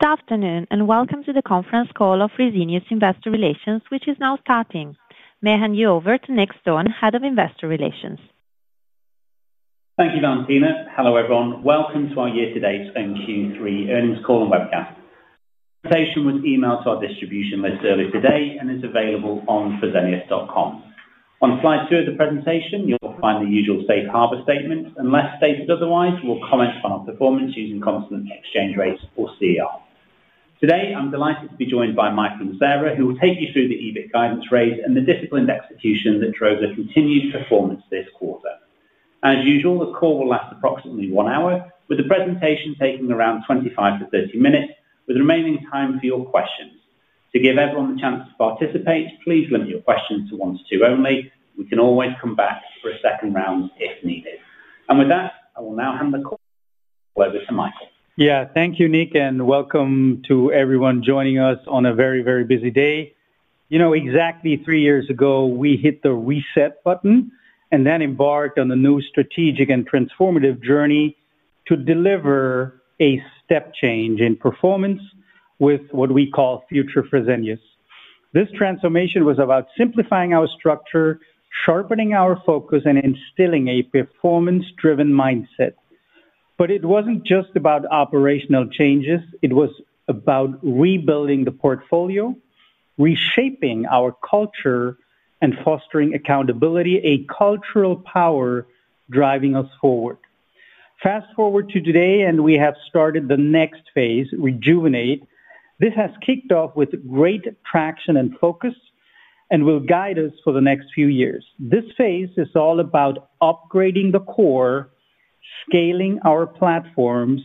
Good afternoon and welcome to the conference call of Fresenius Investor Relations which is now starting. May I hand you over to Nick Stone, Head of Investor Relations? Thank you, Valentina. Hello everyone. Welcome to our year-to-date and Q3 earnings call and webcast. The presentation was emailed to our distribution list earlier today and is available on fresenius.com. On slide 2 of the presentation you'll find the usual safe harbor statement. Unless stated otherwise, we'll comment on our performance using constant exchange rates or CER. Today, I'm delighted to be joined by Michael and Sara who will take you through the EBIT guidance raise and the disciplined execution that drove the continued performance this quarter. As usual, the call will last approximately one hour with the presentation taking around 25 minutes-30 minutes, with remaining time for your questions. To give everyone the chance to participate, please limit your questions to one to two only. We can always come back for a second round if needed. With that, I. I will now hand the call over to Michael. Yeah. Thank you, Nick. And welcome to everyone joining us on a very, very busy day. You know, exactly three years ago, we hit the reset button and then embarked on a new strategic and transformative journey to deliver a step change in performance with what we call #FutureFresenius. This transformation was about simplifying our structure, sharpening our focus, and instilling a performance driven mindset. It was not just about operational changes. It was about rebuilding the portfolio, reshaping our culture, and fostering accountability. A cultural power driving us forward. Fast forward to today and we have started the next phase, REJUVENATE. This has kicked off with great traction and focus and will guide us for the next few years. This phase is all about upgrading the core, scaling our platforms,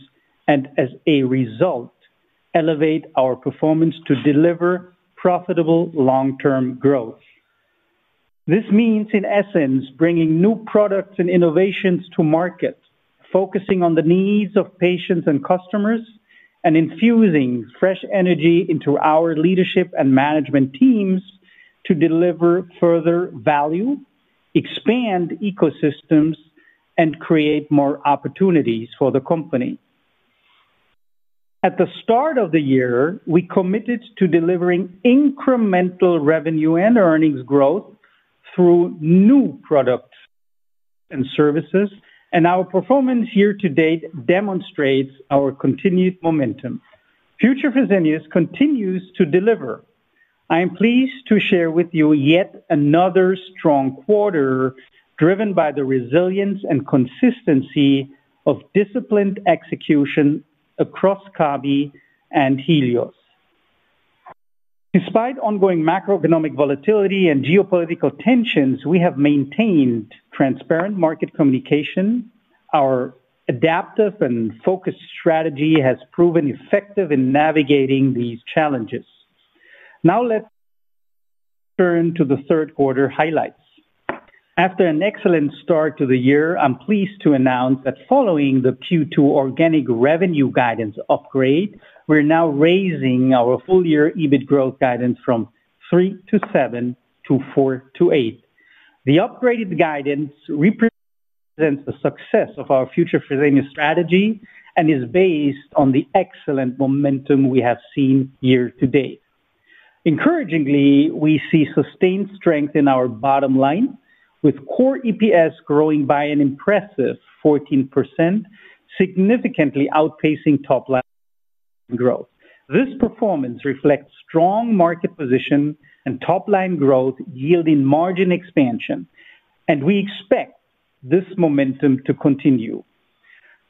and as a result, elevate our performance to deliver profitable long term growth. This means, in essence, bringing new products and innovations to market, focusing on the needs of patients and customers, and infusing fresh energy into our leadership and management teams to deliver further value, expand ecosystems, and create more opportunities for the company. At the start of the year, we committed to delivering incremental revenue and earnings growth through new products and services. Our performance year-to-date demonstrates our continued momentum. #FutureFresenius continues to deliver. I am pleased to share with you yet another strong quarter driven by the resilience and consistency of disciplined execution across Kabi and Helios. Despite ongoing macroeconomic volatility and geopolitical tensions, we have maintained transparent market communication. Our adaptive and focused strategy has proven effective in navigating these challenges. Now let's turn to the third quarter highlights. After an excellent start to the year, I'm pleased to announce that following the Q2 organic revenue guidance upgrade, we're now raising our full year EBIT growth guidance from 3%-7% to 4%-8%. The upgraded guidance represents the success of our #FutureFresenius strategy and is based on the excellent momentum we have seen year-to-date. Encouragingly, we see sustained strength in our bottom line with core EPS growing by an impressive 14%, significantly outpacing top line growth. This performance reflects strong market position and top line growth yielding margin expansion, and we expect this momentum to continue.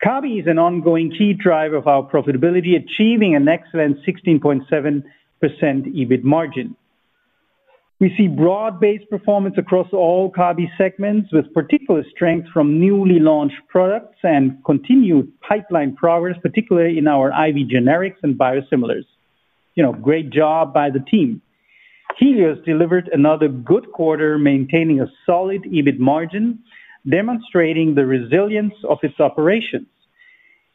Kabi is an ongoing key driver of our profitability, achieving an excellent 16.7% EBIT margin. We see broad-based performance across all Kabi segments with particular strength from newly launched products and continued pipeline progress, particularly in our IV generics and biosimilars. Great job by the team. Helios delivered another good quarter, maintaining a solid EBIT margin, demonstrating the resilience of its operations.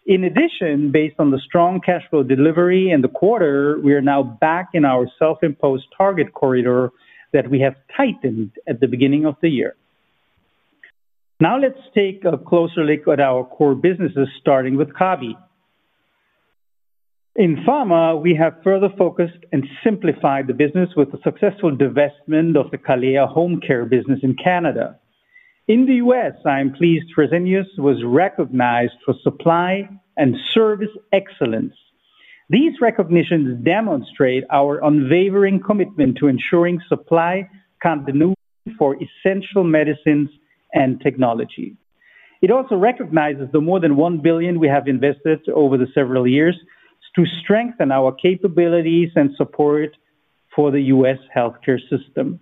In addition, based on the strong cash flow delivery in the quarter, we are now back in our self-imposed target corridor that we have tightened at the beginning of the year. Now let's take a closer look at our core businesses, starting with Kabi. In Pharma, we have further focused and simplified the business with the successful divestment of the Calea home care business in Canada. In the U.S., I am pleased Fresenius was recognized for supply and service excellence. These recognitions demonstrate our unwavering commitment to ensuring supply continuity for essential medicines and technology. It also recognizes the more than $1 billion we have invested over the several years to strengthen our capabilities and support for the U.S. healthcare system.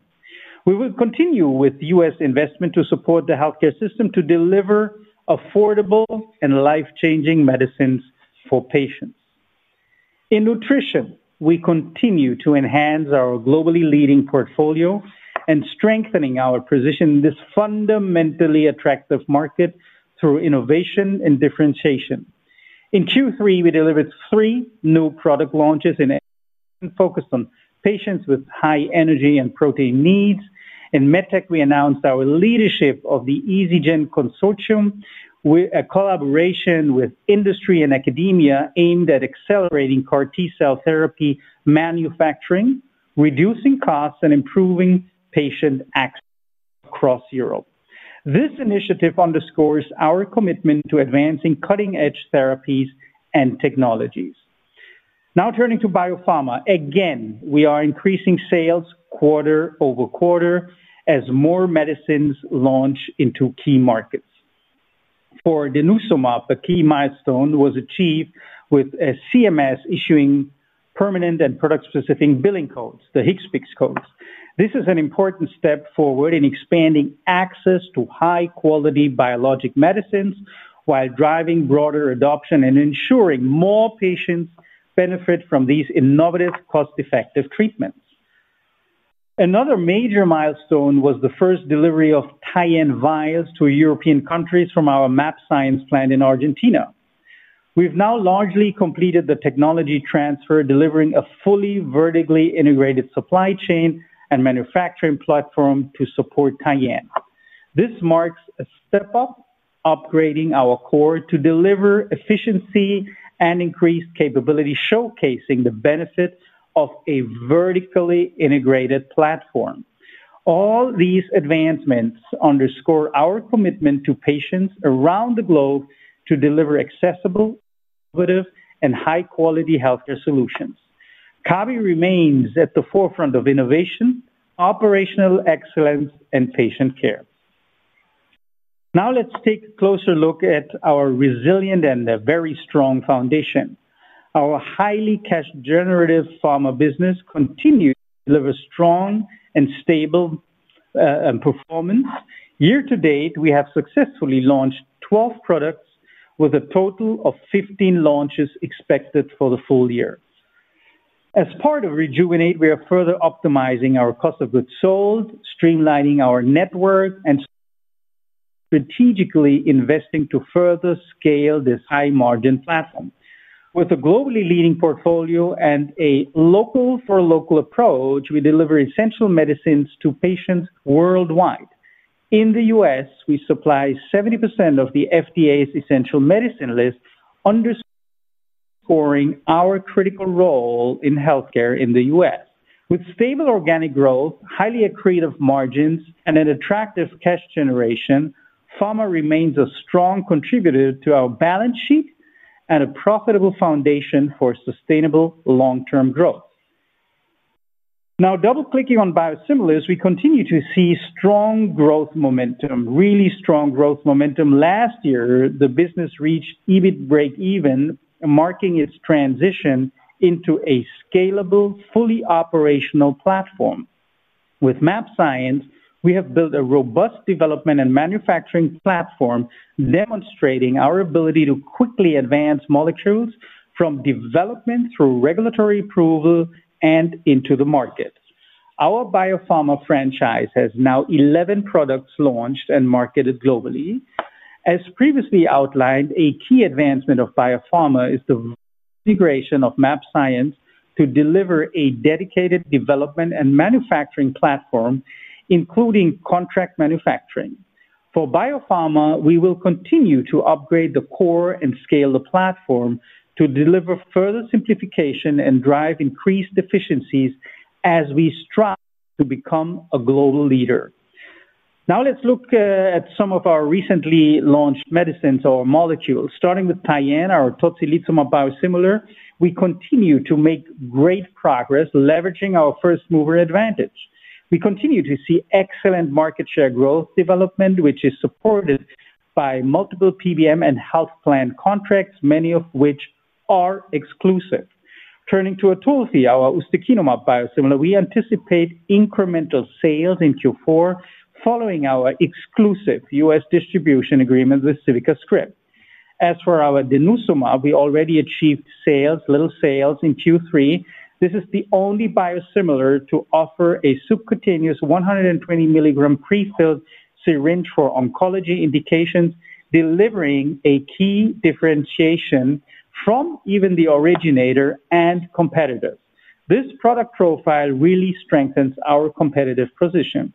We will continue with U.S. investment to support the healthcare system to deliver affordable and life changing medicines for patients. In Nutrition, we continue to enhance our globally leading portfolio and strengthening our position in this fundamentally attractive market through innovation and differentiation. In Q3 we delivered three new product launches focused on patients with high energy and protein needs. In MedTech, we announced our leadership of the EASYGEN consortium, a collaboration with industry and academia aimed at accelerating CAR-T cell therapy manufacturing, reducing costs and improving patient access across Europe. This initiative underscores our commitment to advancing cutting edge therapies and technologies. Now turning to Biopharma again, we are increasing sales quarter over quarter as more medicines launch into key markets. For denosumab, a key milestone was achieved with CMS issuing permanent and product specific billing codes, the Higgs fix code. This is an important step forward in expanding access to high quality biologic medicines while driving broader adoption and ensuring more patients benefit from these innovative cost effective treatments. Another major milestone was the first delivery of Tyenne vials to European countries from our mAbxience plant in Argentina. We've now largely completed the technology transfer, delivering a fully vertically integrated supply chain and manufacturing platform to support Tyenne. This marks a step up upgrading our core to deliver efficiency and increased capability, showcasing the benefit of a vertically integrated platform. All these advancements underscore our commitment to patients around the globe to deliver accessible, innovative and high quality healthcare solutions. Kabi remains at the forefront of innovation, operational excellence and patient care. Now let's take a closer look at our resilient and very strong foundation. Our highly cash generative pharma business continues to deliver strong and stable performance. Year-to-date we have successfully launched 12 products with a total of 15 launches expected for the full year. As part of REJUVENATE, we are further optimizing our cost of goods sold, streamlining our network and strategically investing to further scale this high margin platform. With a globally leading portfolio and a local for local approach, we deliver essential medicines to patients worldwide. In the U.S. we supply 70% of the FDA's essential medicine list, underscoring our critical role in healthcare in the U.S. With stable organic growth, highly accretive margins and an attractive cash generation, Pharma remains a strong contributor to our balance sheet and a profitable foundation for sustainable long term growth. Now double clicking on biosimilars we continue to see strong growth momentum. Really strong growth momentum. Last year the business reached EBIT break even marking its transition into a scalable, fully operational platform. With mAbxience we have built a robust development and manufacturing platform demonstrating our ability to quickly advance molecules from development through regulatory approval and into the market. Our Biopharma franchise has now 11 products launched and marketed globally. As previously outlined, a key advancement of Biopharma is the integration of mAbxience to deliver a dedicated development and manufacturing platform including contract manufacturing. For Biopharma, we will continue to upgrade the core and scale the platform to deliver further simplification and drive increased efficiencies as we strive to become a global leader. Now let's look at some of our recently launched medicines or molecules. Starting with Tyenne, our tocilizumab biosimilar, we continue to make great progress leveraging our first mover advantage. We continue to see excellent market share growth development which is supported by multiple PBM and health plan contracts, many of which are exclusive. Turning to OTULFI, our ustekinumab biosimilar, we anticipate incremental sales in Q4 following our exclusive U..S distribution agreement with CivicaScript. As for our denosumab, we already achieved sales in Q3. This is the only biosimilar to offer a subcutaneous 120 mg prefilled syringe for oncology indications, delivering a key differentiation from even the originator and competitors. This product profile really strengthens our competitive position.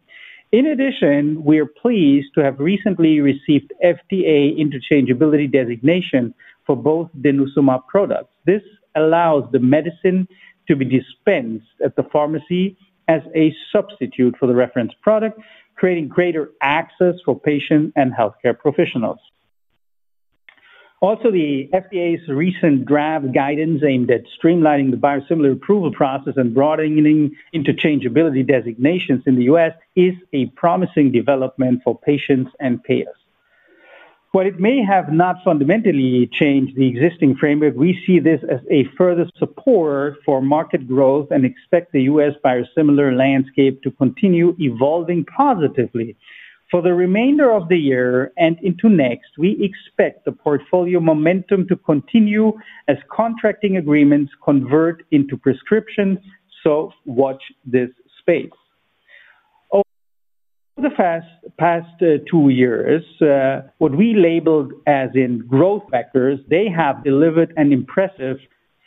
In addition, we are pleased to have recently received FDA interchangeability designation for both denosumab products. This allows the medicine to be dispensed at the pharmacy as a substitute for the reference product, creating greater access for patients and healthcare professionals. Also, the FDA's recent draft guidance aimed at streamlining the biosimilar approval process and broadening interchangeability designations in the U.S. is a promising development for patients and payers. While it may have not fundamentally changed the existing framework, we see this as a further support for market growth and expect the U.S. biosimilar landscape to continue evolving positively for the remainder of the year and into next. We expect the portfolio momentum to continue as contracting agreements convert into prescriptions. Watch this space. Over the past two years, what we labeled as in growth factors, they have delivered an impressive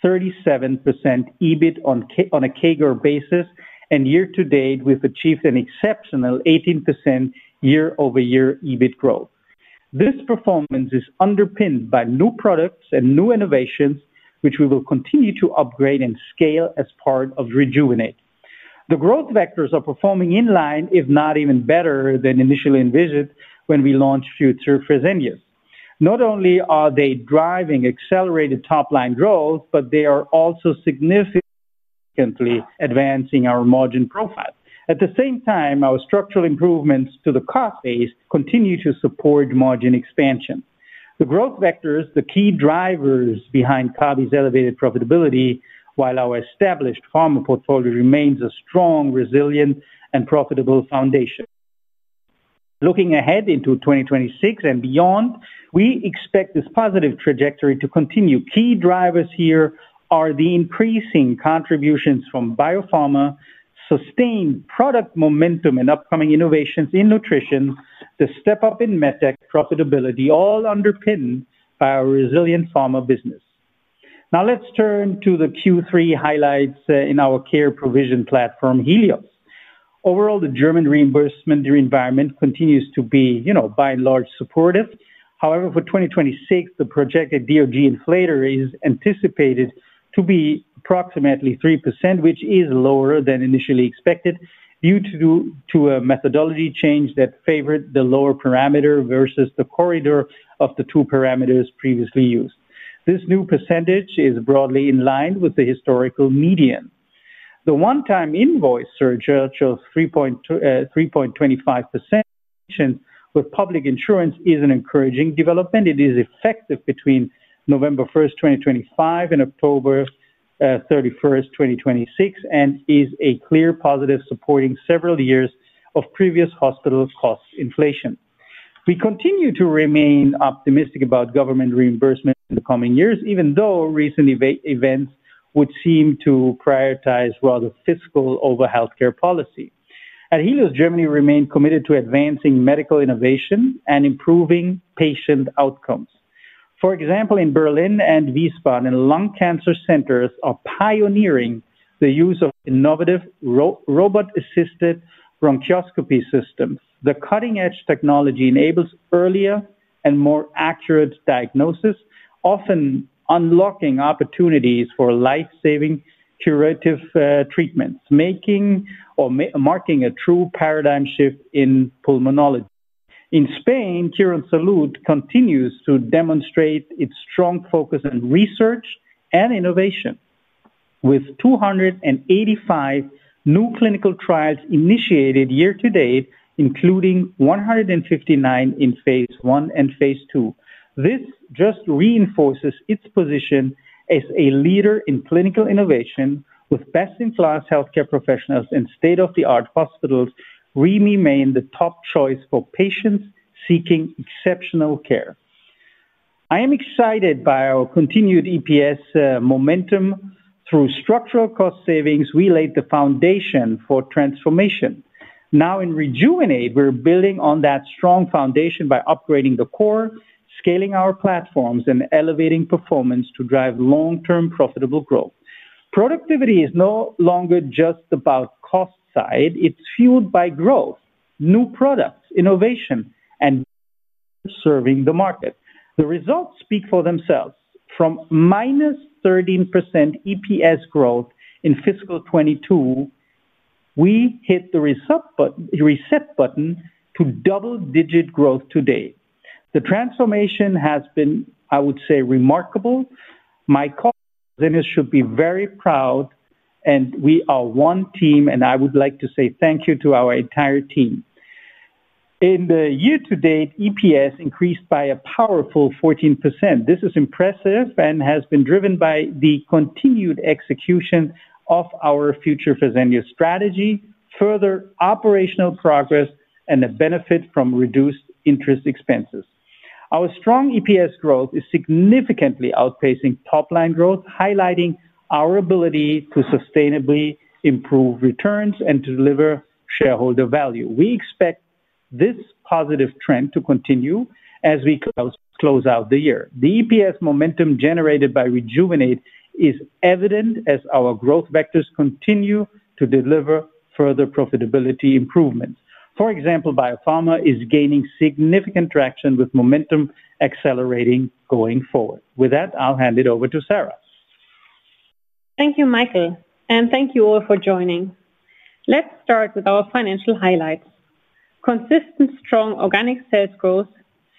37% EBIT on a CAGR basis and year-to-date we have achieved an exceptional 18% year-over-year EBIT growth. This performance is underpinned by new products and new innovations which we will continue to upgrade and scale as part of REJUVENATE. The growth vectors are performing in line, if not even better than initially envisioned when we launch #FutureFresenius. Not only are they driving accelerated top line growth, but they are also significantly advancing our margin profile. At the same time, our structural improvements to the cost base continue to support margin expansion. The growth vectors are the key drivers behind Kabi's elevated profitability while our established Pharma portfolio remains a strong, resilient and profitable foundation. Looking ahead into 2026 and beyond, we expect this positive trajectory to continue. Key drivers here are the increasing contributions from Biopharma, sustained product momentum and upcoming innovations in nutrition. The step up in MedTech profitability, all underpinned by our resilient Pharma business. Now let's turn to the Q3 highlights in our care provision platform Helios. Overall, the German reimbursement environment continues to be by and large supportive. However, for 2026 the projected DRG inflator is anticipated to be approximately 3% which is lower than initially expected due to a methodology change that favored the lower parameter versus the corridor of the two parameters previously used. This new percentage is broadly in line with the historical median. The one-time invoice surge of 3.25% with public insurance is an encouraging development. It is effective between November 1st, 2025 and October 31st, 2026 and is a clear positive supporting several years of previous hospital cost inflation. We continue to remain optimistic about government reimbursement in the coming years, even though recent events would seem to prioritize rather fiscal over healthcare policy. At Helios, Germany remain committed to advancing medical innovation and improving patient outcomes. For example, in Berlin and Wiesbaden, lung cancer centers are pioneering the use of innovative robot-assisted bronchoscopy systems. The cutting-edge technology enables earlier and more accurate diagnosis, often unlocking opportunities for life-saving curative treatments, marking a true paradigm shift in pulmonology. In Spain, Quirónsalud continues to demonstrate its strong focus on research and innovation with 285 new clinical trials initiated year-to-date, including 159 in phase I and phase II. This just reinforces its position as a leader in clinical innovation with best-in-class healthcare professionals and state-of-the-art hospitals. Remain the top choice for patients seeking exceptional care. I am excited by our continued EPS momentum. Through structural cost savings we laid the foundation for transformation. Now in REJUVENATE, we're building on that strong foundation by upgrading the core, scaling our platforms and elevating performance to drive long term profitable growth. Productivity is no longer just about cost side, it's fueled by growth, new products, innovation and serving the market. The results speak for themselves. From -13% EPS growth in fiscal 2022, we hit the reset button to double digit growth. Today the transformation has been, I would say, remarkable. My colleagues at Fresenius should be very proud and we are one team and I would like to say thank you to our entire team. In the year-to-date, EPS increased by a powerful 14%. This is impressive and has been driven by the continued execution of our #FutureFresenius strategy, further operational progress and the benefit from reduced interest expenses. Our strong EPS growth is significantly outpacing top line growth, highlighting our ability to sustainably improve returns and to deliver shareholder value. We expect this positive trend to continue as we close out the year. The EPS momentum generated by REJUVENATE is evident as our growth vectors continue to deliver further profitability improvements. For example, Biopharma is gaining significant traction with momentum accelerating going forward. With that, I'll hand it over to Sara. Thank you Michael and thank you all for joining. Let's start with our financial highlights. Consistent strong organic sales growth,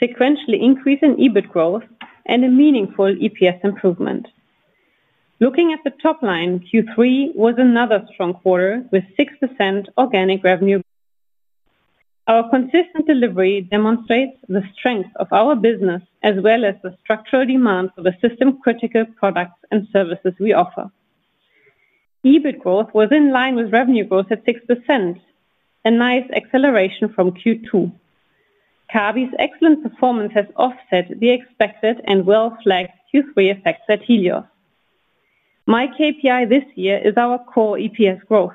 sequential increase in EBIT growth and a meaningful EPS improvement. Looking at the top line, Q3 was another strong quarter with 6% organic revenue growth. Our consistent delivery demonstrates the strength of our business as well as the structural demand for the system critical products and services we offer. EBIT growth was in line with revenue growth at 6%. A nice acceleration from Q2. Kabi's excellent performance has offset the expected and well-flagged Q3 effects at Helios. My KPI this year is our core EPS growth.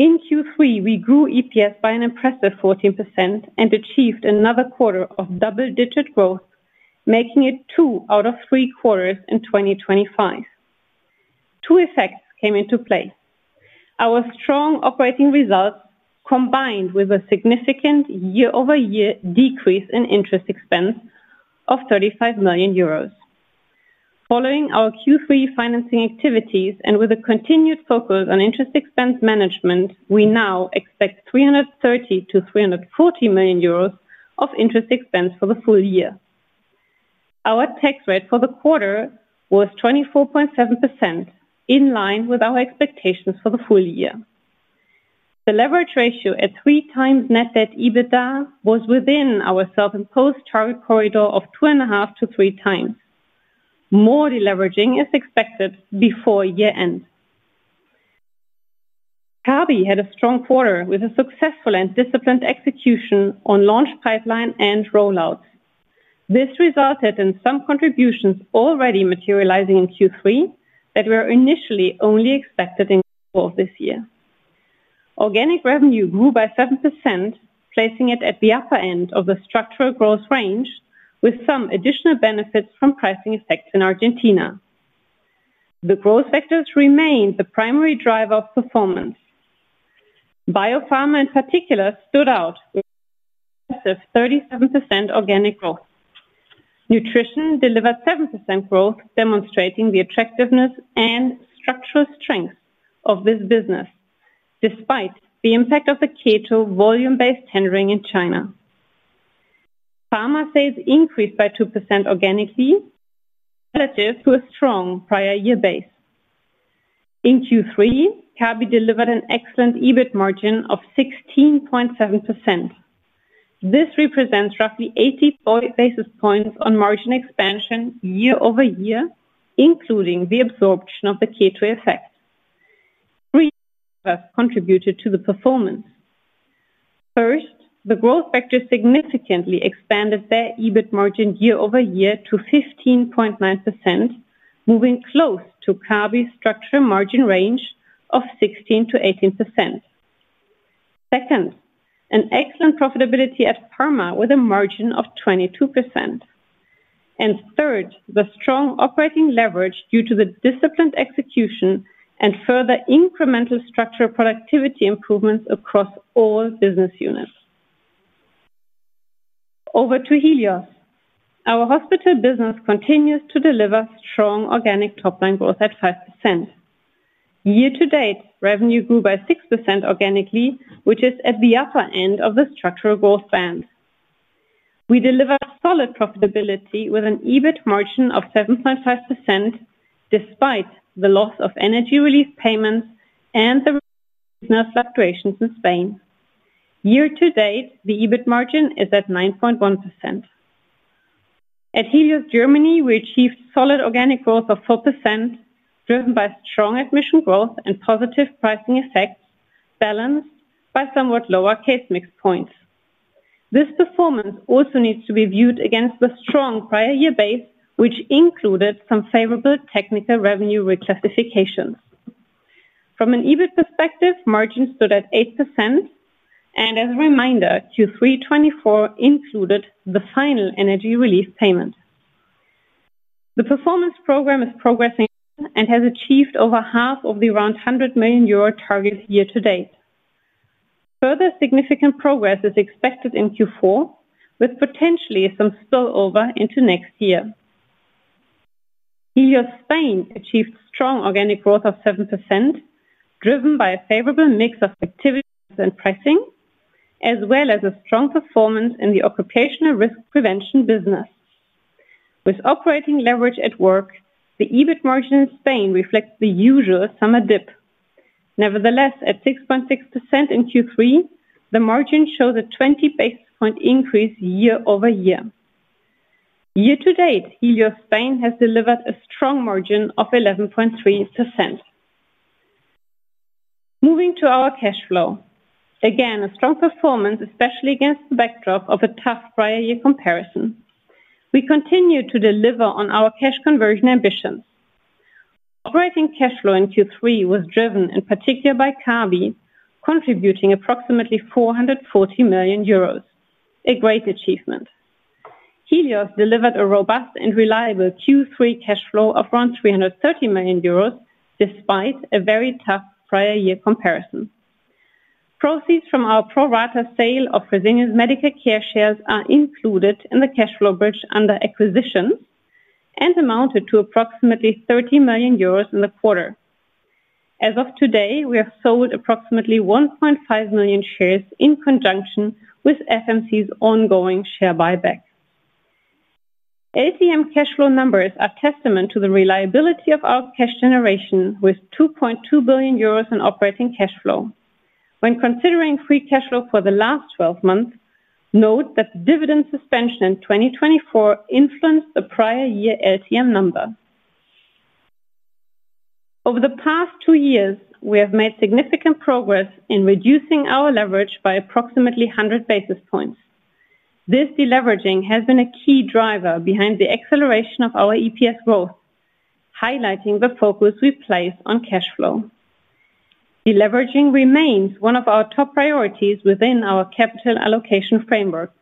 In Q3 we grew EPS by an impressive 14% and achieved another quarter of double-digit growth making it two out of three quarters. In 2025 two effects came into play. Our strong operating results combined with a significant year-over-year decrease in interest expense of 35 million euros following our Q3 financing activities and with a continued focus on interest expense management, we now expect 330 million-340 million euros of interest expense for the full year. Our tax rate for the quarter was 24.7% in line with our expectations for the full year. The leverage ratio at 3x net debt EBITDA was within our self imposed target corridor of 2.5x-3x. More deleveraging is expected before year end. Kabi had a strong quarter with a successful and disciplined execution on launch, pipeline and rollouts. This resulted in some contributions already materializing in Q3 that were initially only expected in Q4. This year organic revenue grew by 7% placing it at the upper end of the structural growth range with some additional benefits from pricing effects. In Argentina, the growth factors remained the primary driver of performance. Biopharma in particular stood out with impressive 37% organic growth. Nutrition delivered 7% growth, demonstrating the attractiveness and structural strength of this business. Despite the impact of the keto volume-based tendering in China, Pharma sales increased by 2% organically relative to a strong prior year base. In Q3, Kabi delivered an excellent EBIT margin of 16.7%. This represents roughly 80 basis points of margin expansion year-over-year, including the absorption of the keto effect. Three have contributed to the performance. First, the growth factor significantly expanded their EBIT margin year-over-year to 15.9%, moving close to Kabi's structural margin range of 16%-18%. Second, an excellent profitability at Pharma with a margin of 22%, and third, the strong operating leverage due to the disciplined execution and further incremental structural productivity improvements across all business units. Over to Helios, our hospital business continues to deliver strong organic top line growth at 5% year-to-date. Revenue grew by 6% organically, which is at the upper end of the structural growth band. We delivered solid profitability with an EBIT margin of 7.5% despite the loss of energy relief payments and the fluctuations in Spain. Year-to-date the EBIT margin is at 9.1%. At Helios Germany we achieved solid organic growth of 4% driven by strong admission growth and positive pricing effects balanced by somewhat lower case mix points. This performance also needs to be viewed against the strong prior year base which included some favorable technical revenue reclassifications. From an EBIT perspective, margin stood at 8% and as a reminder Q3 2024 included the final energy relief payment. The performance program is progressing and has achieved over half of the around 100 million euro target year-to-date. Further significant progress is expected in Q4 with potentially some spillover into next year. Helios Spain achieved strong organic growth of 7% driven by a favorable mix of activities and pricing as well as a strong performance in the occupational risk prevention business with operating leverage at work. The EBIT margin in Spain reflects the usual summer dip. Nevertheless, at 6.6% in Q3 the margin shows a 20 basis point increase year-over-year. Year-to-date Helios Spain has delivered a strong margin of 11.3%, moving to our cash flow again a strong performance, especially against the backdrop of a tough prior year comparison. We continue to deliver on our cash conversion ambitions. Operating cash flow in Q3 was driven in particular by Kabi contributing approximately 440 million euros, a great achievement. Helios delivered a robust and reliable Q3 cash flow of around 330 million euros despite a very tough prior year comparison. Proceeds from our pro rata sale of Fresenius Medical Care shares are included in the cash flow bridge under acquisitions and amounted to approximately 30 million euros in the quarter. As of today, we have sold approximately 1.5 million shares in conjunction with FMC's ongoing share buyback. LTM cash flow numbers are testament to the reliability of our cash generation with 2.2 billion euros in operating cash flow. When considering free cash flow for the last 12 months. Note that the dividend suspension in 2024 influenced the prior year LTM number. Over the past two years we have made significant progress in reducing our leverage by approximately 100 basis points. This deleveraging has been a key driver behind the acceleration of our EPS growth. Highlighting the focus we place on cash flow, deleveraging remains one of our top priorities within our capital allocation framework.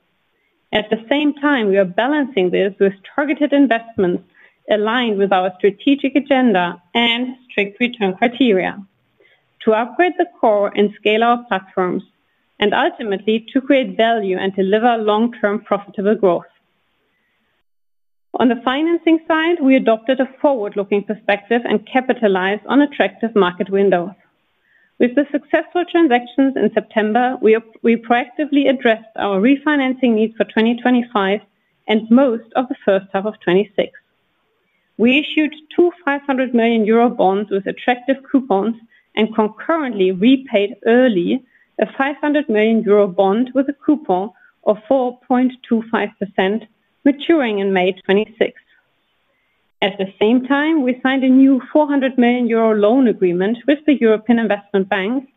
At the same time, we are balancing this with targeted investments aligned with our strategic agenda and strict return criteria to upgrade the core and scale our platforms and ultimately to create value and deliver long term profitable growth. On the financing side, we adopted a forward looking perspective and capitalized on attractive market windows with the successful transactions in September. We proactively addressed our refinancing needs for 2025 and most of first half of 2026. We issued two 500 million euro bonds with attractive coupons and concurrently repaid early a 500 million euro bond with a coupon of 4.25% maturing in May 2026. At the same time we signed a new 400 million euro loan agreement with the European Investment Bank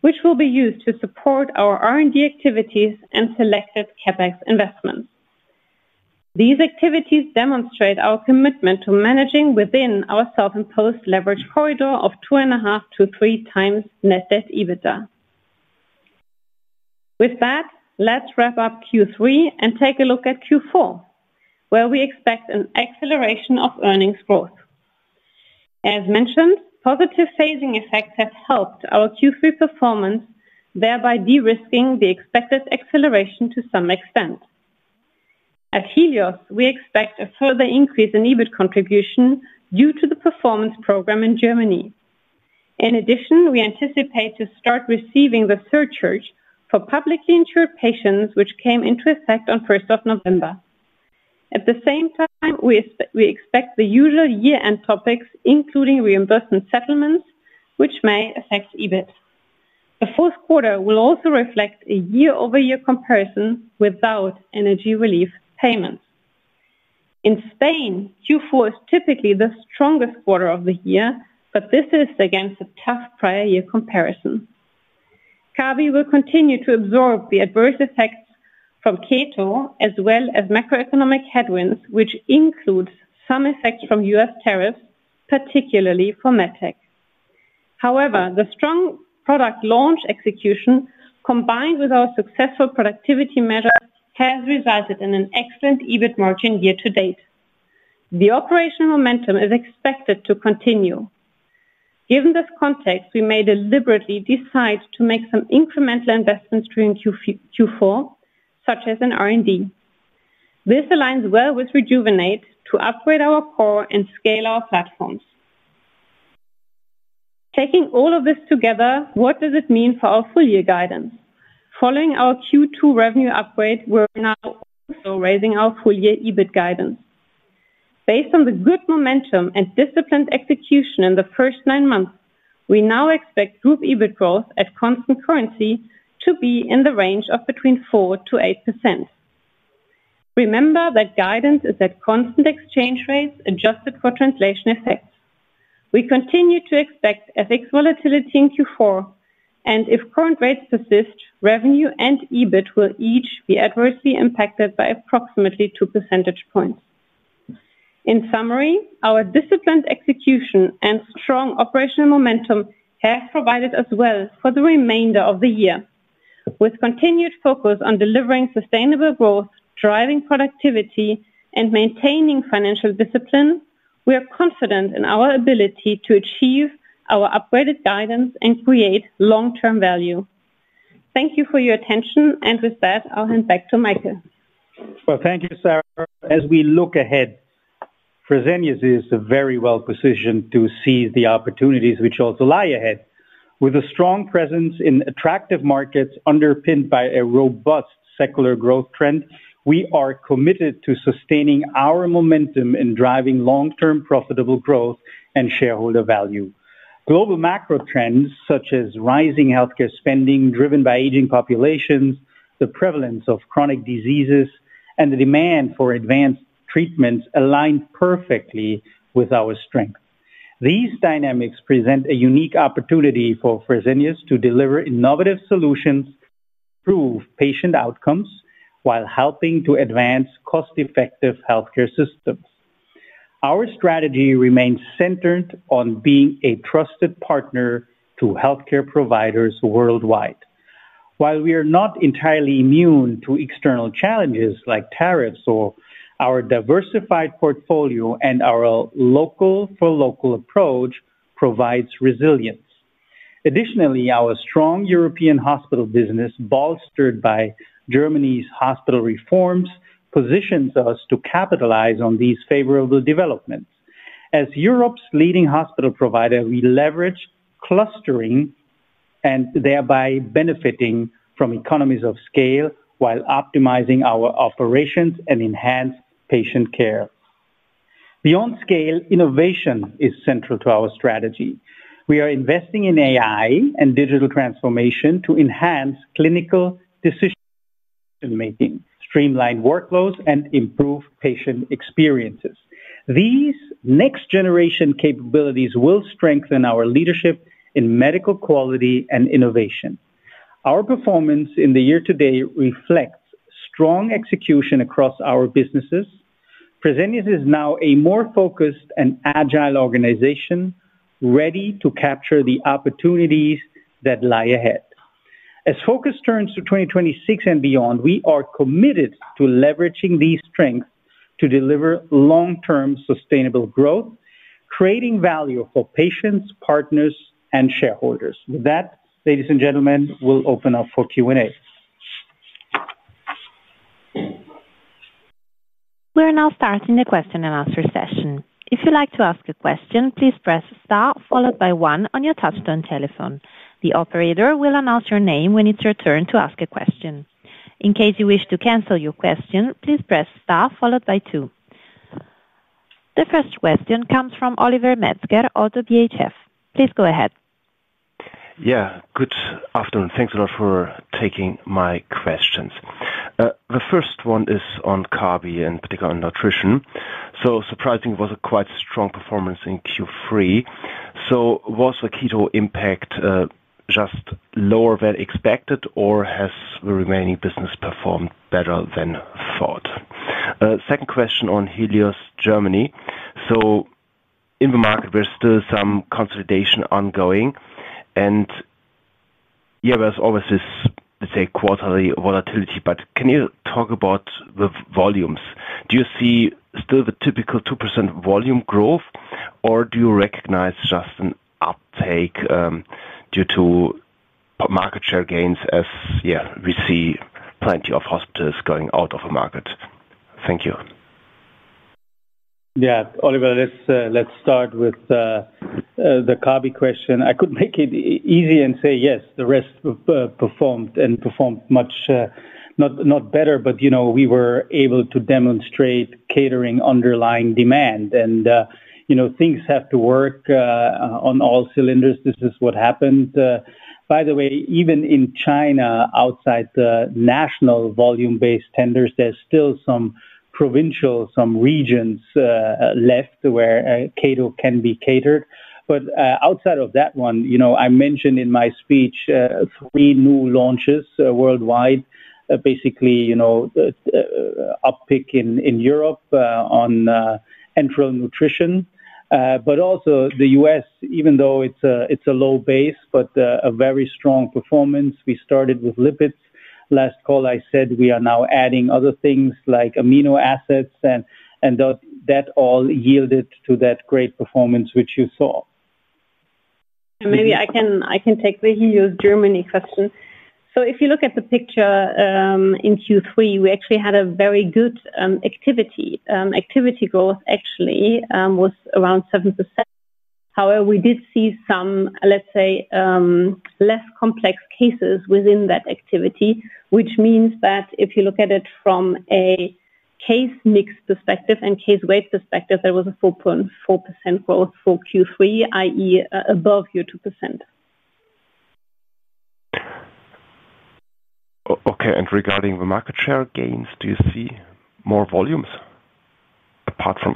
which will be used to support our R&D activities and selected CapEx investments. These activities demonstrate our commitment to managing within our self-imposed leverage corridor of 2.5x-3x net debt to EBITDA. With that, let's wrap up Q3 and take a look at Q4 where we expect an acceleration of earnings growth. As mentioned, positive phasing effects have helped our Q3 performance, thereby de-risking the expected acceleration to some extent. At Helios, we expect a further increase in EBIT contribution due to the performance program in Germany. In addition, we anticipate to start receiving the surcharge for publicly insured patients which came into effect on 1st of November. At the same time, we expect the usual year-end topics including reimbursement settlements which may affect EBIT. The fourth quarter will also reflect a year-over-year comparison without energy relief payments. In Spain, Q4 is typically the strongest quarter of the year, but this is against a tough prior year comparison. Kabi will continue to absorb the adverse effects from keto as well as macroeconomic headwinds, which includes some effect from U.S. tariffs, particularly for MedTech. However, the strong product launch execution combined with our successful productivity measures has resulted in an excellent EBIT margin year-to-date. The operational momentum is expected to continue. Given this context, we may deliberately decide to make some incremental investments during Q4, such as in R&D. This aligns well with REJUVENATE to upgrade our core and scale our platforms. Taking all of this together, what does it mean for our full-year guidance? Following our Q2 revenue upgrade, we're now raising our full-year EBIT guidance. Based on the good momentum and disciplined execution in the first nine months, we now expect group EBIT growth at constant currency to be in the range of between 4%-8%. Remember that guidance is at constant exchange rates adjusted for translation effects. We continue to expect FX volatility in Q4 and if current rates persist, revenue and EBIT will each be adversely impacted by approximately 2 percentage points. In summary, our disciplined execution and strong operational momentum have provided us well for the remainder of the year. With continued focus on delivering sustainable growth, driving productivity and maintaining financial discipline, we are confident in our ability to achieve our upgraded guidance and create long term value. Thank you for your attention and with that I'll hand back to Michael. Thank you Sara. As we look ahead, Fresenius is very well positioned to seize the opportunities which also lie ahead. With a strong presence in attractive markets underpinned by a robust secular growth trend, we are committed to sustaining our momentum in driving long term profitable growth and shareholder value. Global macro trends such as rising healthcare spending driven by aging populations, the prevalence of chronic diseases, and the demand for advanced treatments align perfectly with our strength. These dynamics present a unique opportunity for Fresenius to deliver innovative solutions, improve patient outcomes while helping to advance cost effective health care systems. Our strategy remains centered on being a trusted partner to healthcare providers worldwide. While we are not entirely immune to external challenges like tariffs, our diversified portfolio and our local for local approach provide resilience. Additionally, our strong European hospital business, bolstered by Germany's hospital reforms, positions us to capitalize on these favorable developments. As Europe's leading hospital provider, we leverage clustering and thereby benefit from economies of scale while optimizing our operations and enhancing patient care. Beyond scale, innovation is central to our strategy. We are investing in AI and digital transformation to enhance clinical decision making, streamline workloads, and improve patient experiences. These next generation capabilities will strengthen our leadership in medical quality and innovation. Our performance in year-to-date reflects strong execution across our businesses. Fresenius is now a more focused and agile organization ready to capture the opportunities that lie ahead. As focus turns to 2026 and beyond, we are committed to leveraging these strengths to deliver long term sustainable growth, creating value for patients, partners, and shareholders. With that, ladies and gentlemen, we'll open up for Q and A. We are now starting a question and answer session. If you'd like to ask a question, please press star followed by one on your touchtone telephone. The operator will announce your name when it's your turn to ask a question. In case you wish to cancel your question, please press star followed by two. The first question comes from Oliver Metzger, ODDO BHF. Please go ahead. Yeah, good afternoon. Thanks a lot for taking my questions. The first one is on Kabi, in particular on nutrition. Surprisingly, it was a quite strong performance in Q3. Was the keto impact just lower than expected or has the remaining business performed better than thought? Second question on Helios Germany. In the market, there's still some consolidation ongoing. There's always this, let's say, quarterly volatility. Can you talk about the volumes? Do you see still the typical 2% volume growth or do you recognize just an uptake due to market share gains as we see plenty of hospitals going out of the market? Thank you. Yeah. Oliver, let's start with the Kabi question. I could make it easy and say yes, the rest performed and performed much not better. But you know, we were able to demonstrate catering underlying demand and, you know, things have to work on all cylinders. This is what happened, by the way, even in China, outside the national volume-based tenders, there's still some provincial, some regions left where Kabi can be catered. Outside of that one, you know, I mentioned in my speech three new launches worldwide. Basically, you know, uptick in Europe on enteral nutrition, but also the U.S. Even though it's a, it's a low base but a very strong performance. We started with lipid last call. I said we are now adding other things like amino acids and that all yielded to that great performance which you saw. Maybe I can take the Helios Germany question. If you look at the picture in Q3, we actually had very good activity. Activity growth actually was around 7%. However, we did see some, let's say, less complex cases within that activity. Which means that if you look at it from a case mix perspective and case weight perspective, there was a 4.4% growth for Q3 that is above your 2%. Okay. Regarding the market share gains, do you see more volumes apart from.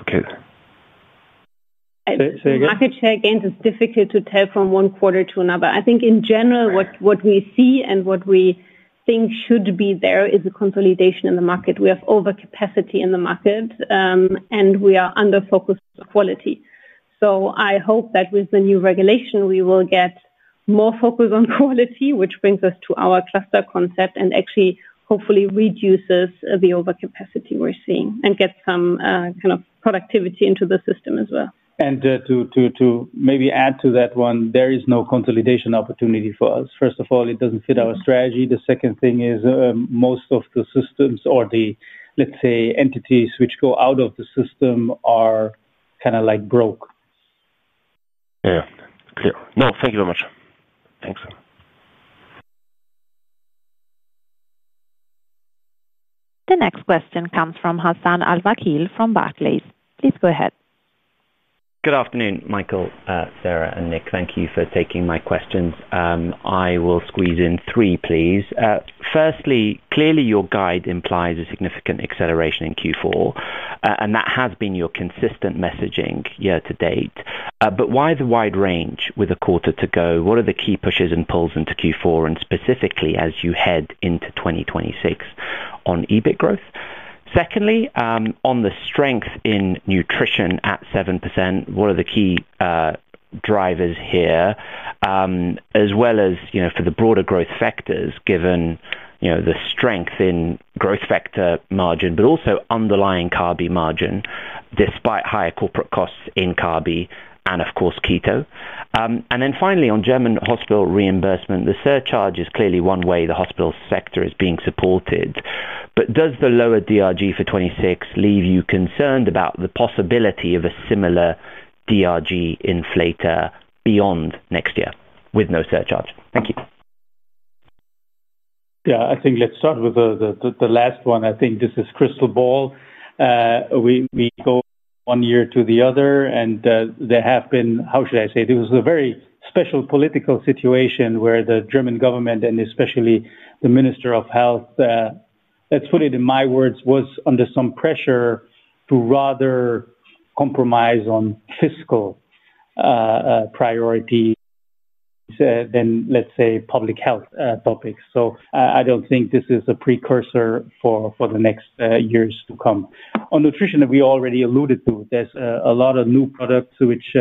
Market share gains? It is difficult to tell from one quarter to another. I think in general what we see and what we think should be there is a consolidation in the market. We have overcapacity in the market and we are under focused quality. I hope that with the new regulation we will get more focus on quality, which brings us to our cluster concept and actually hopefully reduces the overcapacity we are seeing and gets some kind of productivity into the system as well. To maybe add to that one, there is no consolidation opportunity for us. First of all, it does not fit our strategy. The second thing is most of the systems or the, let's say, entities which go out of the system are kind of like broke. No. Thank you very much. Thanks. The next question comes from Hassan Al-Wakeel from Barclays. Please go ahead. Good afternoon Michael, Sara and Nick. Thank you for taking my questions. I will squeeze in three please. Firstly, clearly your guide implies a significant acceleration in Q4 and that has been your consistent messaging year-to-date. Why the wide range with a quarter to go? What are the key pushes and pulls into Q4 and specifically as you head into 2026 on EBIT growth? Secondly, on the strength in nutrition at 7%, what are the key drivers here as well as for the broader growth factors given the strength in growth factor margin but also underlying Kabi margin despite higher corporate costs in Kabi and of course keto? Finally, on German hospital reimbursement, the surcharge is clearly one way the hospital sector is being supported. Does the lower DRG for 2026 leave you concerned about the possibility of a similar DRG inflator beyond next year with no surcharge? Thank you. Yeah, I think let's start with the last one. I think this is crystal ball. We go one year to the other and there have been, how should I say, this is a very special political situation where the German government and especially the Minister of Health, let's put it in my words, was under some pressure to rather compromise on fiscal priority than, let's say, public health topics. I don't think this is a precursor for the next years to come. On nutrition, we already alluded to, there's a lot of new products which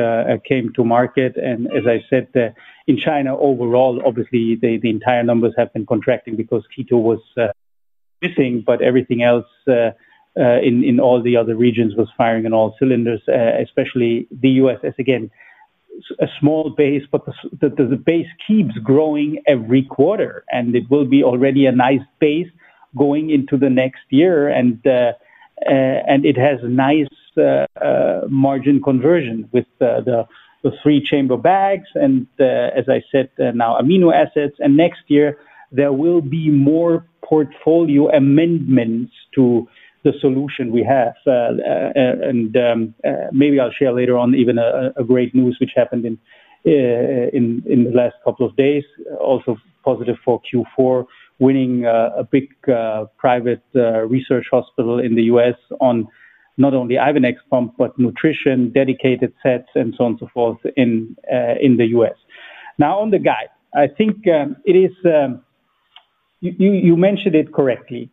came to market and as I said in China overall, obviously the entire numbers have been contracting because keto was missing, but everything else in all the other regions was firing in all cylinders. Especially the U.S. is again a small base but the base keeps growing every quarter and it will be already a nice base going into the next year and it has nice margin conversion with the three chamber bags and as I said now amino assets and next year there will be more portfolio amendments to the solution we have. Maybe I'll share later on even a great news which happened in the last couple of days. Also positive for Q4, winning a big private research hospital in the U.S. on not only Ivenix pump but nutrition dedicated sets and so on and so forth in the U.S. Now on the guide, I think it is, you mentioned it correctly.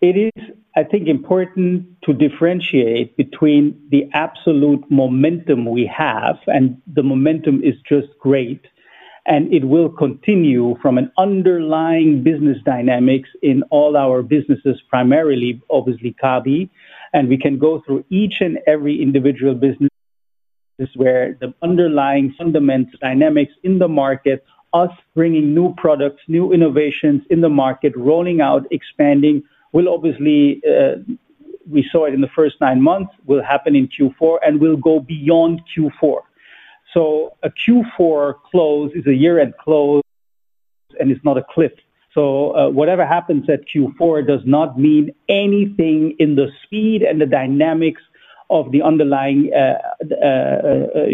It is I think important to differentiate between the absolute momentum we have and the momentum is just great and it will continue from an underlying business dynamics in all our businesses, primarily obviously Kabi, and we can go through each and every individual business where the underlying fundamental dynamics in the market, US bringing new products, new innovations in the market, rolling out, expanding, will obviously, we saw it in the first nine months, will happen in Q4 and will go beyond Q4. A Q4 close is a year end close and it is not a cliff. Whatever happens at Q4 does not mean anything in the speed and the dynamics of the underlying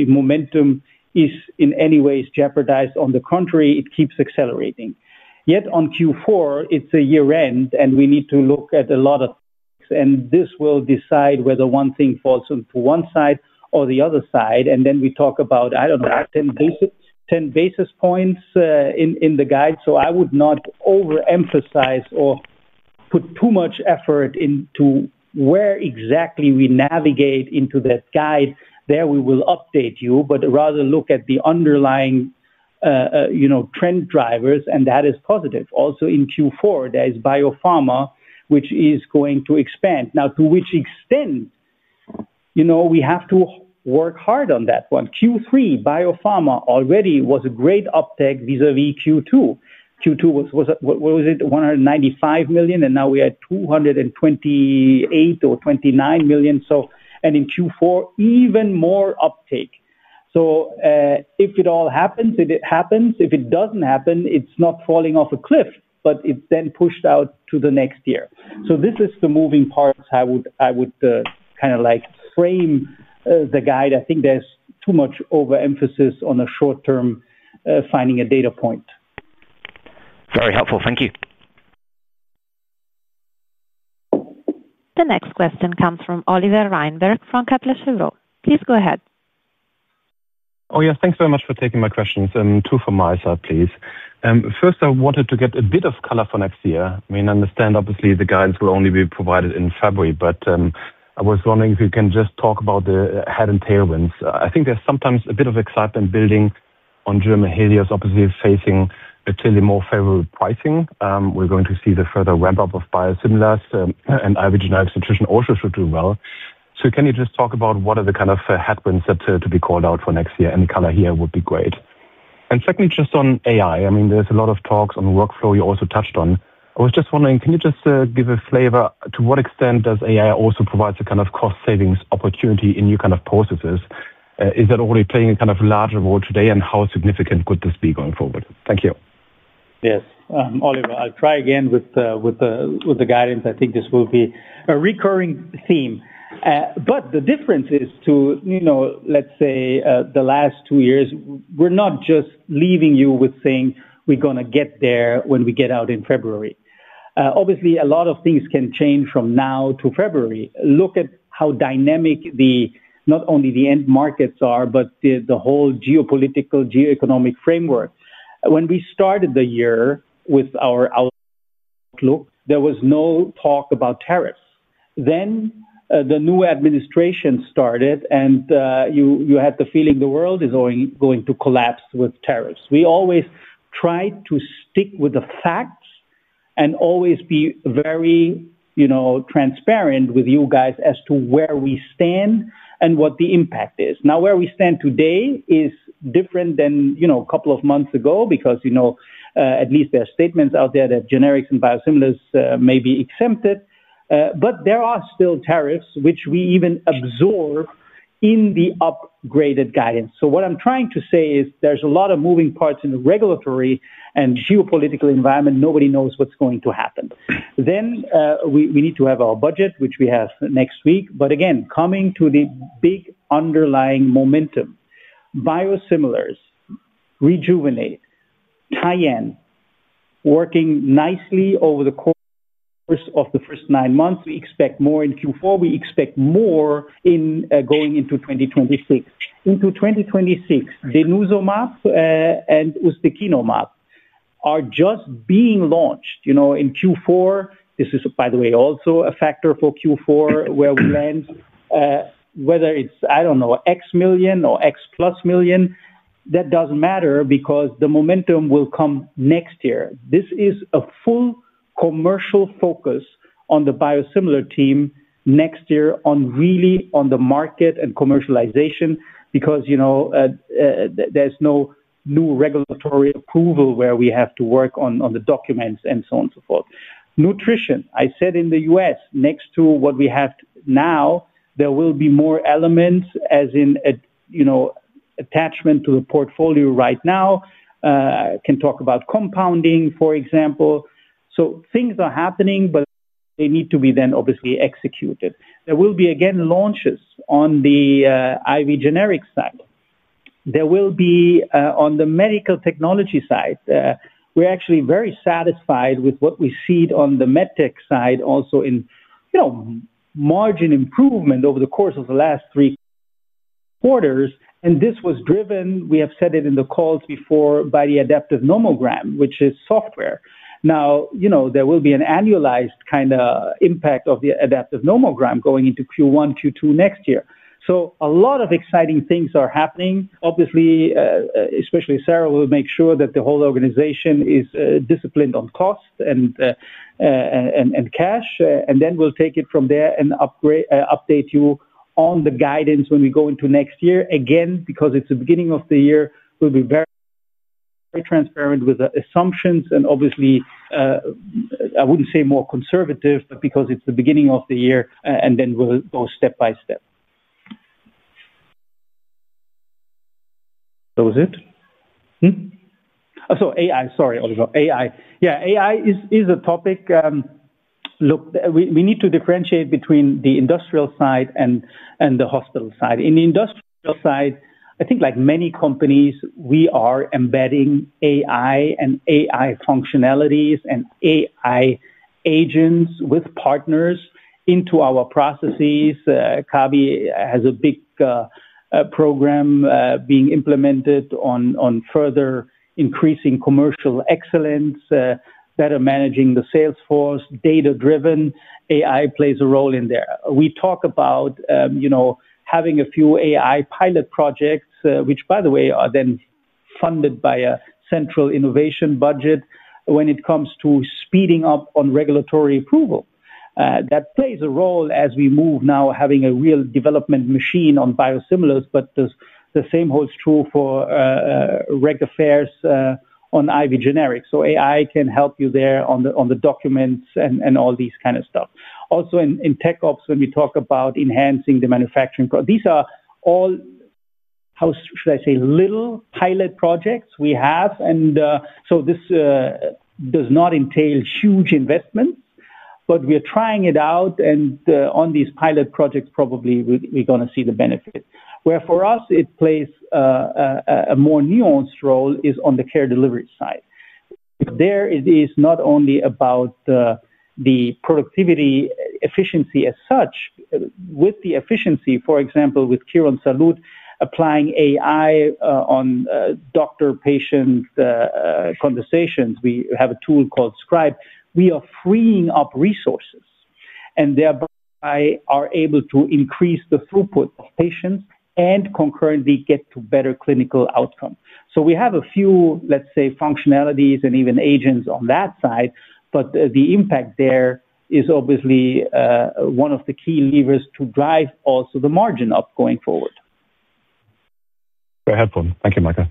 momentum is in any way jeopardized. On the contrary, it keeps accelerating. Yet on Q4 it's a year end and we need to look at a lot of and this will decide whether one thing falls onto one side or the other side. We talk about, I don't know, 10 basis points in the guide. I would not overemphasize or put too much effort into where exactly we navigate into that guide there. We will update you, but rather look at the underlying trend drivers and that is positive. Also in Q4 there is Biopharma which is going to expand now. To which extent we have to work hard on that one. Q3 Biopharma already was a great uptake vis a vis Q2. Q2, what was it? 195 million. And now we had 228 million or EUR 229 million. In Q4 even more uptake. If it all happens, it happens. If it doesn't happen, it's not falling off a cliff, but it's then pushed out to the next year. This is the moving part. I would kind of like frame the guide. I think there's too much overemphasis on a short term finding a data point. Very helpful, thank you. The next question comes from Oliver Reinberg from Kepler Cheuvreux. Please go ahead. Oh yes, thanks very much for taking my questions. Two from my side, please. First I wanted to get a bit of color for next year. I mean I understand obviously the guidance will only be provided in February, but I was wondering if you can just talk about the head and tailwinds. I think there's sometimes a bit of excitement building on German Helios. Obviously facing clearly more favorable pricing. We're going to see the further ramp up of biosimilars and IV generics. Nutrition also should do well. Can you just talk about what are the kind of headwinds that to be called out for next year? Any color here would be great. Secondly just on AI, I mean there's a lot of talks on workflow you also touched on. I was just wondering can you just give a flavor? To what extent does AI also provide a kind of cost savings opportunity in new kind of processes? Is that already playing a kind of larger role today and how significant could this be going forward? Thank you. Yes, Oliver, I'll try again with the guidance. I think this will be a recurring theme, but the difference is to, let's say, the last two years. We're not just leaving you with saying we're going to get there when we get out in February. Obviously, a lot of things can change from now to February. Look at how dynamic not only the end markets are, but the whole geopolitical, geoeconomic framework. When we started the year with our outlook, there was no talk about tariffs. Then the new administration started and you had the feeling the world is going to collapse with tariffs. We always try to stick with the facts and always be very transparent with you guys as to where we stand and what the impact is. Now, where we stand today is different than a couple of months ago because at least there are statements out there that generics and biosimilars may be exempted, but there are still tariffs, which we even absorb in the upgraded guidance. What I'm trying to say is there's a lot of moving parts in the regulatory and geopolitical environment. Nobody knows what's going to happen then. We need to have our budget, which we have next week. Again, coming to the big underlying momentum, biosimilars, REJUVENATE, Tyenne working nicely over the course of the first nine months. We expect more in Q4. We expect more going into 2026. Into 2026. Denosumab and ustekinumab are just being launched in Q4. This is, by the way, also a factor for Q4, where we land, whether it's, I don't know, X million or X plus million. That does not matter because the momentum will come next year. This is a full commercial focus on the biosimilar team next year, really on the market and commercialization because there is no new regulatory approval where we have to work on the documents and so on, so forth. Nutrition. I said in the U.S. next to what we have now, there will be more elements, as in, you know, attachment to the portfolio right now. Can talk about compounding, for example. Things are happening, but they need to be then obviously executed. There will be again launches on the IV generics act. There will be on the medical technology side. We are actually very satisfied with what we see on the MedTech side also in margin improvement over the course of the last three quarters. This was driven, we have said it in the calls before, by the Adaptive Nomogram, which is software now. There will be an annualized kind of impact of the Adaptive Nomogram going into Q1, Q2 next year. A lot of exciting things are happening. Obviously, especially Sara will make sure that the whole organization is disciplined on cost and cash and then we'll take it from there and update you on the guidance when we go into next year. Again, because it's the beginning of the year, we'll be very transparent with assumptions and obviously I wouldn't say more conservative, but because it's the beginning of the year and then we'll go step by step. That was it? AI. Sorry, Oliver. AI. Yeah, AI is a topic. Look, we need to differentiate between the industrial side and the hospital side. In the industrial side, I think like many companies, we are embedding AI and AI functionalities and AI agents with partners into our processes. Kabi has a big program being implemented on further increasing commercial excellence, better managing the salesforce. Data driven AI plays a role in there. We talk about having a few AI pilot projects which by the way are then funded by a central innovation budget. When it comes to speeding up on regulatory approval, that plays a role as we move now, having a real development machine on biosimilars, but the same holds true for reg affairs on IV generics. AI can help you there on the documents and all these kind of stuff. Also in tech ops, when we talk about enhancing the manufacturing, these are all, how should I say, little pilot projects we have. This does not entail huge investments. We are trying it out. On these pilot projects, probably we are going to see the benefit. Where for us it plays a more nuanced role is on the care delivery side. There it is not only about the productivity efficiency as such. With the efficiency, for example, with Quirónsalud applying AI on doctor-patient conversations, we have a tool called Scribe. We are freeing up resources and thereby are able to increase the throughput of patients and concurrently get to better clinical outcome. We have a few, let's say, functionalities and even agents on that side. The impact there is obviously one of the key levers to drive also the margin up going forward. Very helpful. Thank you. Michael.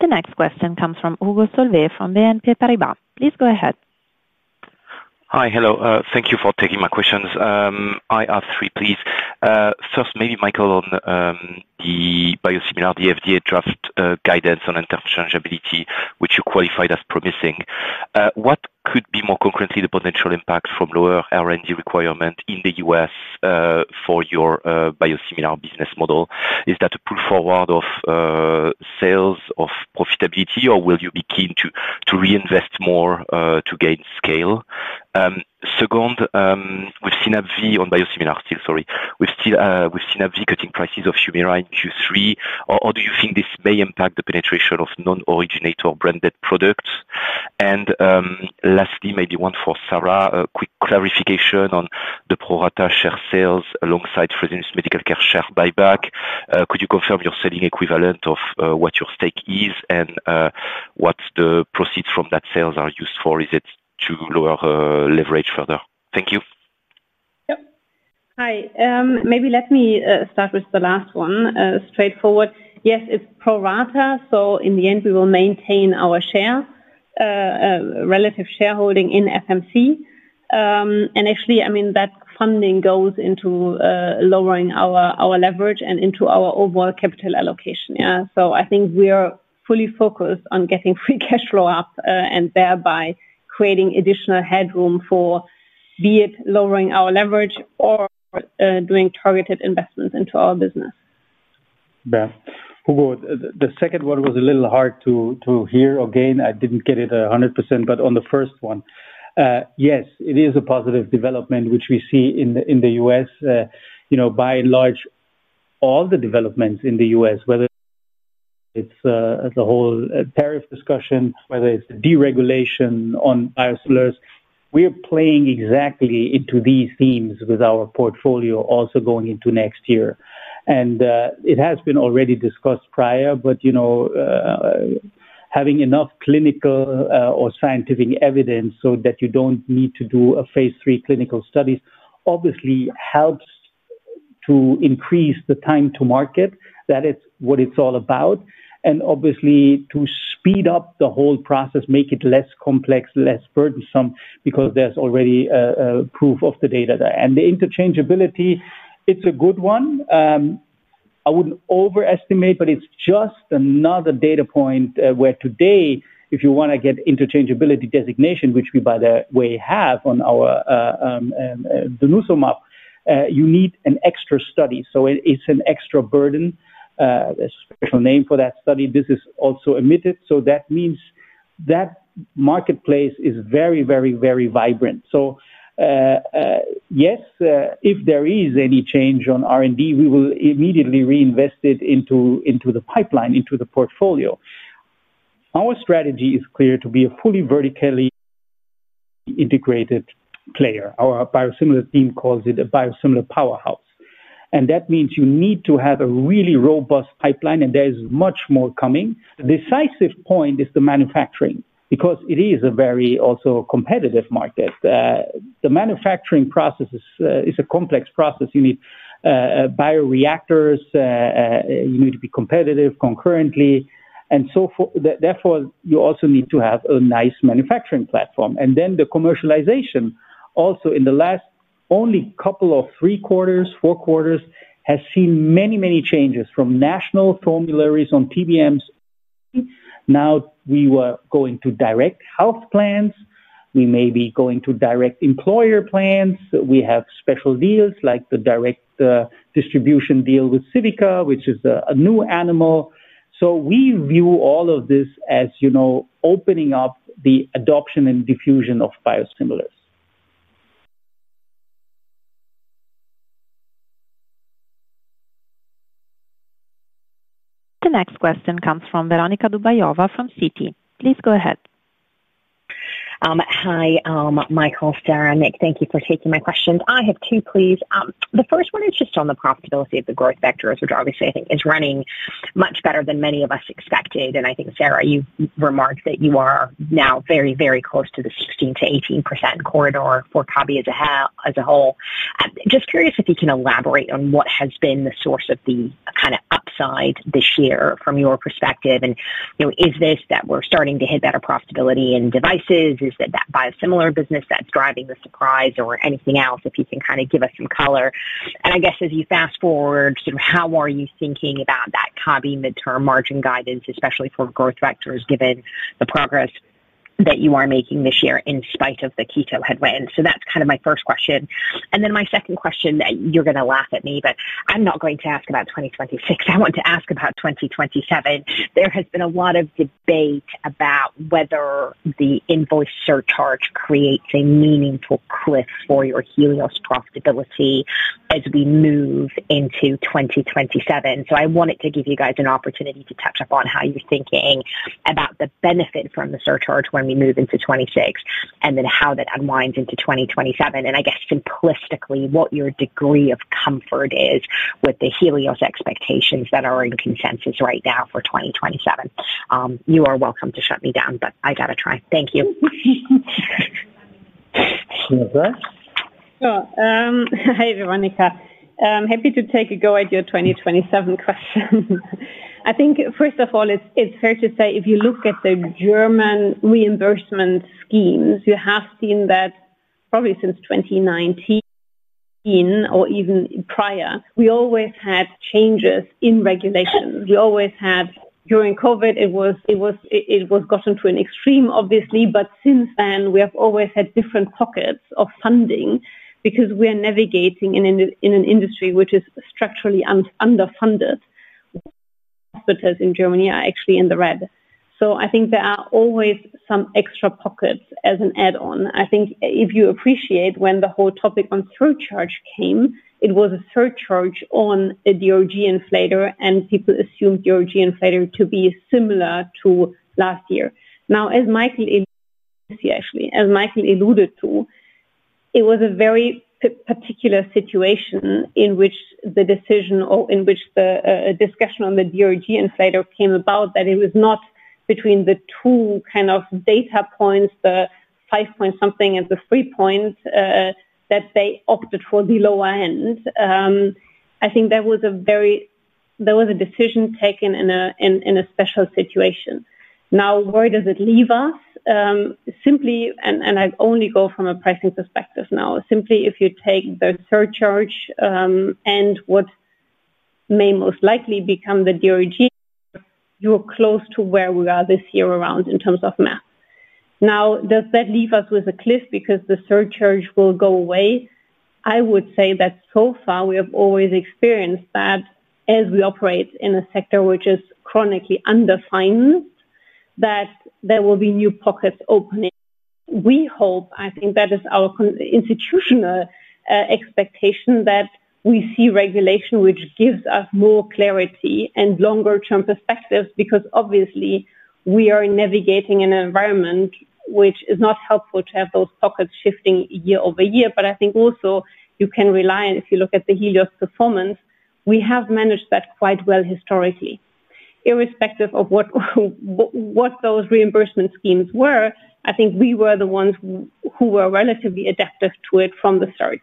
The next question comes from Hugo Solvet from BNP Paribas. Please go ahead. Hi. Hello. Thank you for taking my questions. I have three, please. First, maybe Michael on the biosimilar, the FDA draft guidance on interchangeability which you qualified as promising. What could be more concurrently the potential impact from lower R&D requirement in the U.S. for your biosimilar business model? Is that a pull forward of sales or profitability, or will you be keen to reinvest more to gain scale? Second, with CNABV on biosimilar still, sorry, with CNABV cutting prices of Humira in Q3, do you think this may impact the penetration of non-originator branded products? And lastly, maybe one for Sara, a quick clarification on the pro rata share sales alongside Fresenius Medical Care share buyback. Could you confirm you are selling equivalent of what your stake is and what the proceeds from that sales are used for? Is it to lower leverage further? Thank you. Hi, maybe let me start with the last one. Straightforward. Yes, it's pro rata. In the end we will maintain our relative shareholding in FMC and actually, I mean, that funding goes into lowering our leverage and into our overall capital allocation. I think we are fully focused on getting free cash flow up and thereby creating additional headroom for, be it lowering our leverage or doing targeted investments into our business. The second one was a little hard to hear. Again I didn't get it 100% but on the first one, yes, it is a positive development which we see in the U.S. you know, by and large all the developments in the U.S., whether it's the whole tariff discussion, whether it's deregulation on biosimilars, we're playing exactly into these themes with our portfolio also going into next year. It has been already discussed prior. You know, having enough clinical or scientific evidence so that you don't need to do a phase III clinical studies obviously helps to increase the time to market. That is what it's all about. Obviously to speed up the whole process, make it less complex, less burdensome because there's already proof of the data there and the interchangeability. It's a good one, I wouldn't overestimate. It is just another data point where today if you want to get interchangeability designation, which we by the way have on our denosumab, you need an extra study. It is an extra burden, a special name for that study. This is also emitted. That means that marketplace is very, very, very vibrant. Yes, if there is any change on R&D, we will immediately reinvest it into the pipeline, into the portfolio. Our strategy is clear to be a fully vertically integrated player. Our biosimilar team calls it a biosimilar powerhouse and that means you need to have a really robust pipeline and there is much more coming. The decisive point is the manufacturing because it is a very also competitive market. The manufacturing process is a complex process. You need bioreactors, you need to be competitive concurrently. Therefore you also need to have a nice manufacturing platform. The commercialization also in the last only couple of three-four, four-four has seen many, many changes from national formularies on PBMs. Now we are going to direct health plans, we may be going to direct employer plans. We have special deals like the direct distribution deal with Civica, which is a new animal. We view all of this as opening up the adoption and diffusion of biosimilars. The next question comes from Veronika Dubajova from Citi. Please go ahead. Hi, Michael, Sara, Nick. Thank you for taking my questions. I have two, please. The first one is just on the profit of the growth vectors, which obviously I think is running much better than many of us expected. I think, Sara, you remarked that you are now very, very close to the 16%-18% corridor for Kabi as a whole. Just curious if you can elaborate on what has been the source of the kind of upside this year from your perspective. Is this that we are starting to hit better profitability in devices? Is that biosimilar business that is driving the, or anything else? If you can kind of give us some color and I guess as you fast forward, how are you thinking about that Kabi midterm margin guidance, especially for growth vectors, given the progress that you are making this year in spite of the keto headwind. That is kind of my first question. My second question. You're going to laugh at me, but I'm not going to ask about 2026. I want to ask about 2027. There has been a lot of debate about whether or not the invoice surcharge creates a meaningful cliff for your Helios profitability as we move into 2027. I wanted to give you guys an opportunity to touch upon how you're thinking about the benefit from the surcharge when we move into 2026 and then how that unwinds into 2027 and I guess simplistically what your degree of comfort is with the Helios expectations that are in consensus right now for 2027. You are welcome to shut me down, but I gotta try. Thank you. Hi Veronika, happy to take a go at your 2027 question. I think first of all, it's fair to say if you look at the German reimbursement schemes, you have seen that probably since 2019 or even prior. We always had changes in regulations. We always had. During COVID it was gotten to an extreme obviously, but since then we have always had different pockets of funding because we are navigating in an industry which is structurally underfunded. Hospitals in Germany are actually in the red. I think there are always some extra pockets as an add on. I think if you appreciate when the whole topic on surcharge came, it was a surcharge on DRG inflator and people assumed DRG inflator to be similar to last year. Now, as Michael, actually, as Michael alluded to, it was a very particular situation in which the decision or in which the discussion on the DRG inflator came about, that it was not between the 2 kind of data points, the 5 point something and the 3 point that they opted for the lower end. I think that was a very. There was a decision taken in a special situation. Now, where does it leave us? Simply, and I only go from a pricing perspective now, simply, if you take the surcharge and what may most likely become the DRG, you are close to where we are this year around in terms of math. Now, does that leave us with a cliff because the surcharge will go away? I would say that so far we have always experienced that as we operate in a sector which is chronically underfinanced, that there will be new pockets opening, we hope. I think that is our institutional expectation that we see regulation which gives us more clarity and longer term perspectives because obviously we are navigating an environment which is not helpful to have those pockets shifting year-over-year. I think also you can rely if you look at the Helios performance, we have managed that quite well historically, irrespective of what those reimbursement schemes were, I think we were the ones who were relatively adaptive to it from the start.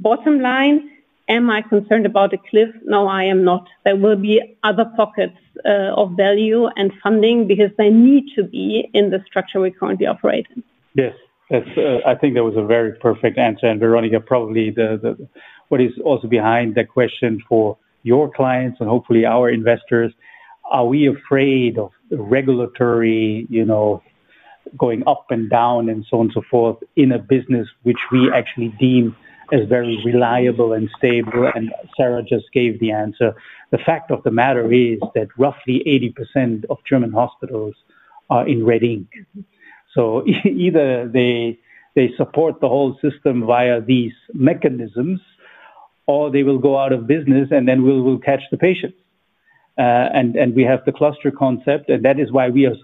Bottom line, am I concerned about a cliff? No, I am not. There will be other pockets of value and funding because they need to be in the structure we currently operate in. Yes, I think that was a very perfect answer. Veronika, probably what is also behind the question for your clients and hopefully our investors, are we afraid of regulatory going up and down and so on and so forth in a business which we actually deem as very reliable and stable? Sara just gave the answer. The fact of the matter is that roughly 80% of German hospitals are in red ink. Either they support the whole system via these mechanisms or they will go out of business and then we'll catch the patients and we have the cluster concept. That is why we are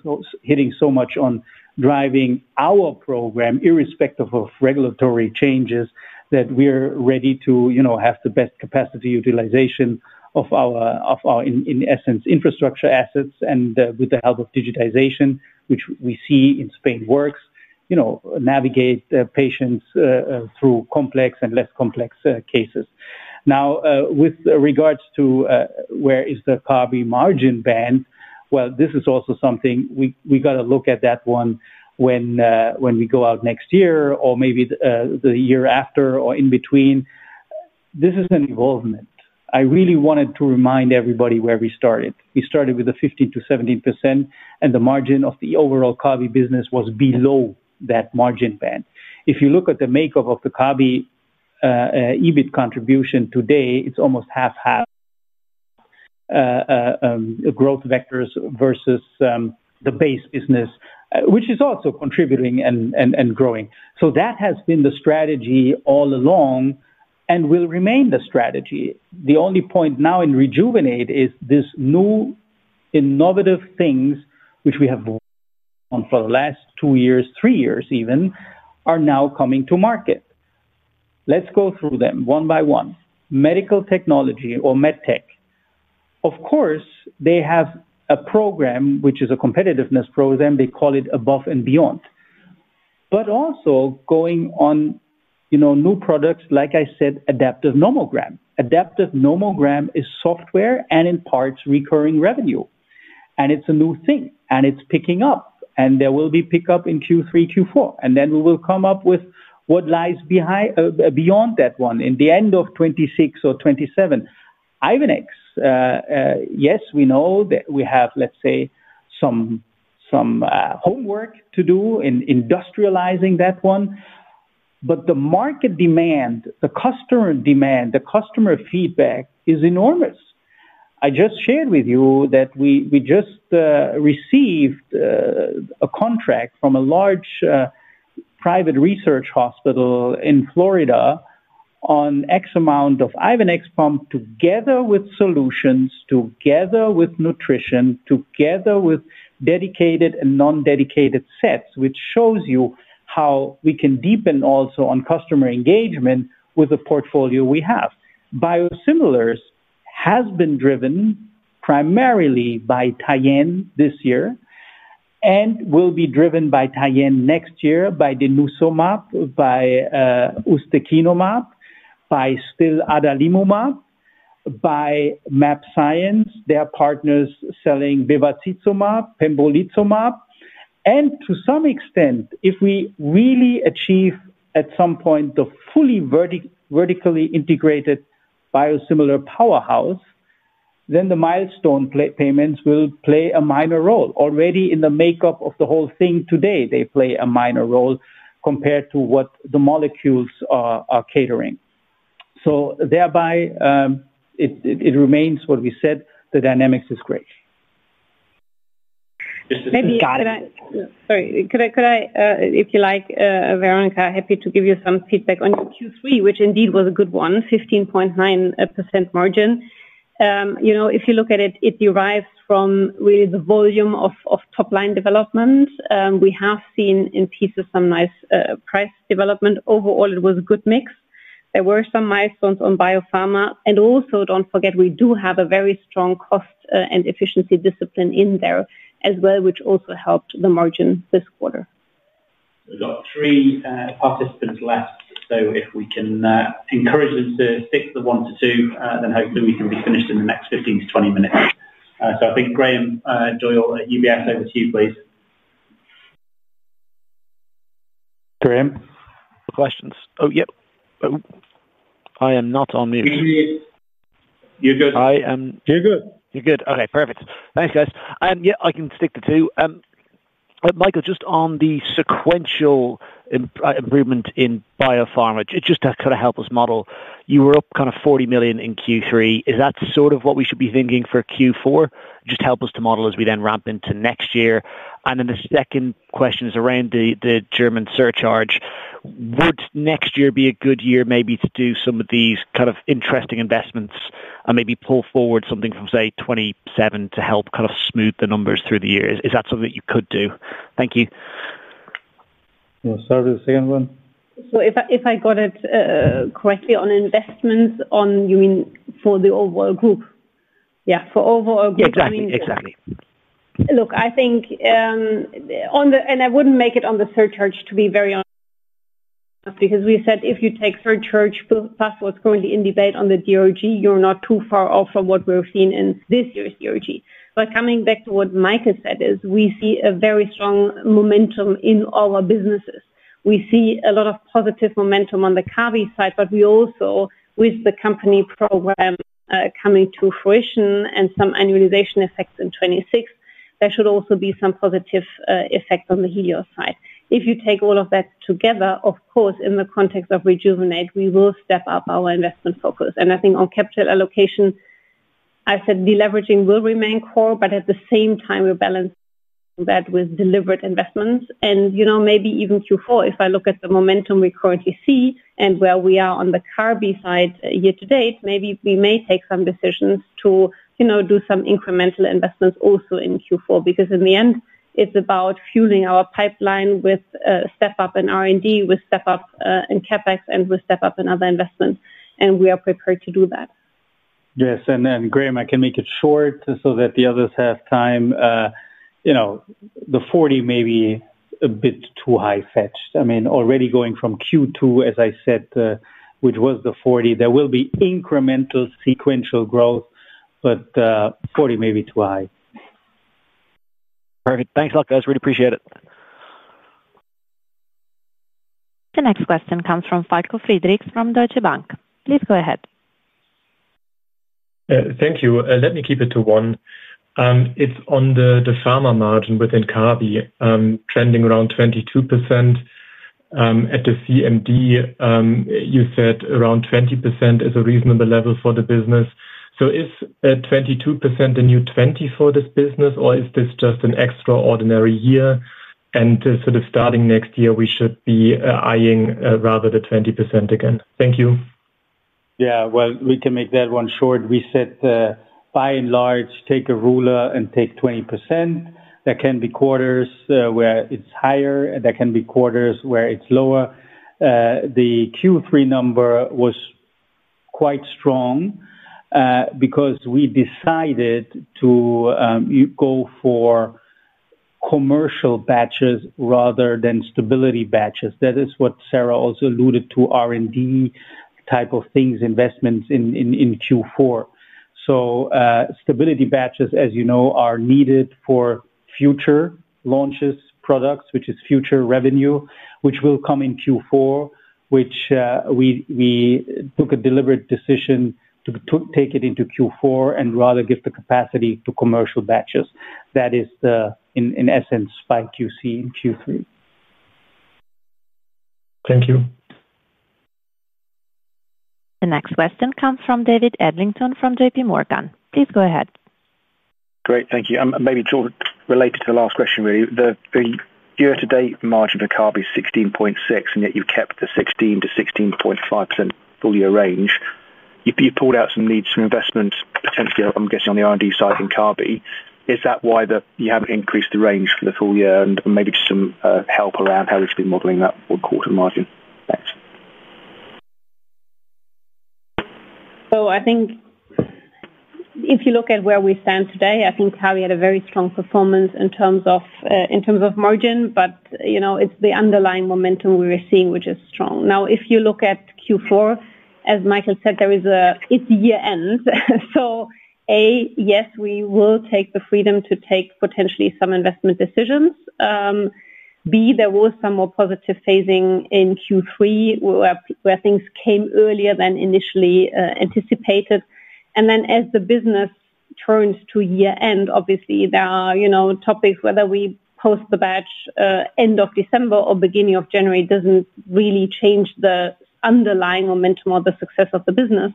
hitting so much on driving our program irrespective of regulatory changes, that we're ready to have the best capacity utilization of our, in essence, infrastructure assets, and with the help of digitization, which we see in Spain works, navigate patients through complex and less complex cases. Now, with regards to where is the Kabi margin band? This is also something we got to look at, that one when we go out next year or maybe the year after or in between. This is an involvement. I really wanted to remind everybody where we started. We started with the 15%-17%, and the margin of the overall Kabi business was below that margin band. If you look at the makeup of the Kabi EBIT contribution today, it's almost half half growth vectors versus the base business, which is also contributing and growing. That has been the strategy all along and will remain the strategy. The only point now in REJUVENATE is this new innovative things which we have for the last two years, three years even, are now coming to market. Let's go through them one by one. Medical technology or MedTech, of course, they have a program which is a competitiveness program. They call it Above and Beyond but also going on new products like I said, Adaptive Nomogram. Adaptive Nomogram is software and in parts recurring revenue and it's a new thing and it's picking up and there will be pickup in Q3, Q4 and then we will come up with what lies beyond that one in the end of 2026 or 2027. Ivenix, yes, we know that we have, let's say, some homework to do in industrializing that one. The market demand, the customer demand, the customer feedback is enormous. I just shared with you that we just received a contract from a large private research hospital in Florida on X amount of Ivenix pump together with solutions, together with nutrition, together with dedicated and non dedicated sets, which shows you how we can deepen also on customer engagement with the portfolio we have. Biosimilars has been driven primarily by Tyenne this year and will be driven by Tyenne next year, by denosumab, by ustekinumab, by still adalimumab, by mAbxience, their partners selling bevacizumab, pembrolizumab, and to some extent, if we really achieve at some point the fully vertically integrated biosimilar powerhouse, then the milestone payments will play a minor role already in the makeup of the whole thing. Today they play a minor role compared to what the molecules are catering. Thereby it remains what we said. The dynamics is great. If you like. Veronika, happy to give you some feedback on Q3, which indeed was a good one. 15.9% margin, if you look at it, it derives from really the volume of top line development. We have seen in pieces some nice price development. Overall it was a good mix. There were some milestones on biopharma. Also, do not forget we do have a very strong cost and efficiency discipline in there as well, which also helped the margin this quarter. We've got three participants left, so if we can encourage them to stick with the one to two, then hopefully we can be finished in the next 15 minutes-20 minutes. I think Graham Doyle at UBS, over to you, please. Graham, questions? Oh, yep, I am not on mute. You're good? I am. You're good? You're good. Okay, perfect. Thanks guys. Yeah, I can stick the two. Michael, just on the sequential improvement in biopharma just to kind of help us model. You were up kind of 40 million in Q3. Is that sort of what we should? Be thinking for Q4? Just help us to model as we then ramp into next year. The second question is around the German surcharge. Would next year be a good year maybe to do some of these kind of interesting investments and maybe pull forward something from say 2027 to help kind of smooth the numbers through the years? Is that something you could do? Thank you. Start with the second one. If I got it correctly, on investments, you mean for the overall group? Yeah, for overall group. Exactly, exactly. Look, I think, and I would not make it on the surcharge, to be very honest, because we said if you take third church plus what is currently in debate on the DRG, you are not too far off from what we are seeing in this year's DRG. Coming back to what Michael said, we see a very strong momentum in our businesses. We see a lot of positive momentum on the Kabi side. We also, with the company program coming to fruition and some annualization effects in 2026, there should also be some positive effect on the Helios side if you take all of that together. Of course, in the context of REJUVENATE, we will step up our investment focus. I think on capital allocation, I said deleveraging will remain core, but at the same time we are balancing that with deliberate investments and maybe even Q4. If I look at the momentum we currently see and where we are on the Kabi side year-to-date, maybe we may take some decisions to do some incremental investments also in Q4, because in the end it's about fueling our pipeline with step up in R&D, with step up in CapEx and with step up in other investments. We are prepared to do that. Yes. Graham, I can make it short so that the others have time. You know, the 40 million may be a bit too high fetched. I mean, already going from Q2, as I said, which was the 40 million, there will be incremental sequential growth, but 40 million may be too high. Perfect. Thanks a lot, guys. Really appreciate it. The next question comes from Falko Friedrichs from Deutsche Bank. Please go ahead. Thank you. Let me keep it to one. It's on the pharma margin within Kabi trending around 22% at the CMD. You said around 20% is a reasonable level for the business. So is 22% a new 20% for this business or is this just an extraordinary year and sort of starting next year we should be eyeing rather than 20% again, thank you. Yeah, we can make that one short. We said, by and large, take a ruler and take 20%. There can be quarters where it's higher. There can be quarters where it's lower. The Q3 number was quite strong because we decided to go for commercial batches rather than stability batches. That is what Sara also alluded to, R&D type of things, investments in Q4. Stability batches, as you know, are needed for future launches, products, which is future revenue which will come in Q4, which we took a deliberate decision to take it into Q4 and rather give the capacity to commercial batches. That is in essence the spike you see in Q3. Thank you. The next question comes from David Adlington from JPMorgan. Please go ahead. Great, thank you. Maybe Jordan related to the last question. Really, the year-to-date margin for. Kabi is 16.6% and yet you've kept the 16%-16.5% full year range. You pulled out some needs for investment potentially, I'm guessing on the R&D side in Kabi. Is that why you haven't increased the. Range for the full year? Maybe some help around how we should be modeling that quarter margin. I think if you look at where we stand today, I think Harry had a very strong performance in terms of margin. You know, it's the underlying momentum we were seeing which is strong. If you look at Q4, as Michael said, there is a year end. A, yes, we will take the freedom to take potentially some investment decisions. B, there was some more positive phasing in Q3 where things came earlier than initially anticipated. As the business turns to year end, obviously there are topics. Whether we post the batch end of December or beginning of January does not really change the underlying momentum or the success of the business.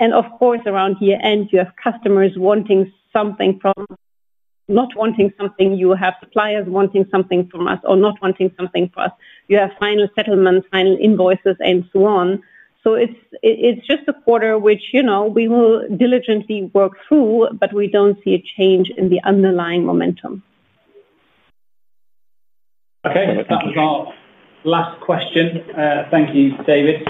Of course, around year end, you have customers wanting something from not wanting something. You have suppliers wanting something from us or not wanting something for us. You have final settlements, final invoices, and so on. It is just a quarter, which, you know, we will diligently work, but we do not see a change in the underlying momentum. Okay, last question. Thank you, David.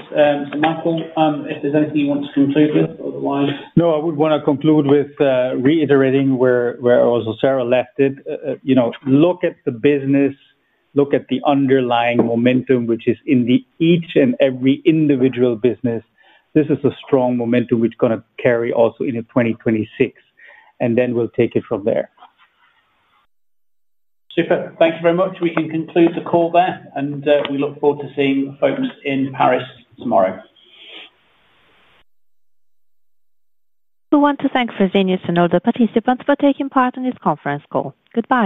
Michael, if there's anything you want to conclude with otherwise. No, I would want to conclude with reiterating where also Sara left it. You know, look at the business. Look at the underlying momentum, which is in each and every individual business. This is a strong momentum which is going to carry also in 2026, and then we'll take it from there. Super. Thank you very much. We can conclude the call there and we look forward to seeing folks in Paris tomorrow. We want to thank Fresenius and all the participants for taking part in this conference call. Goodbye.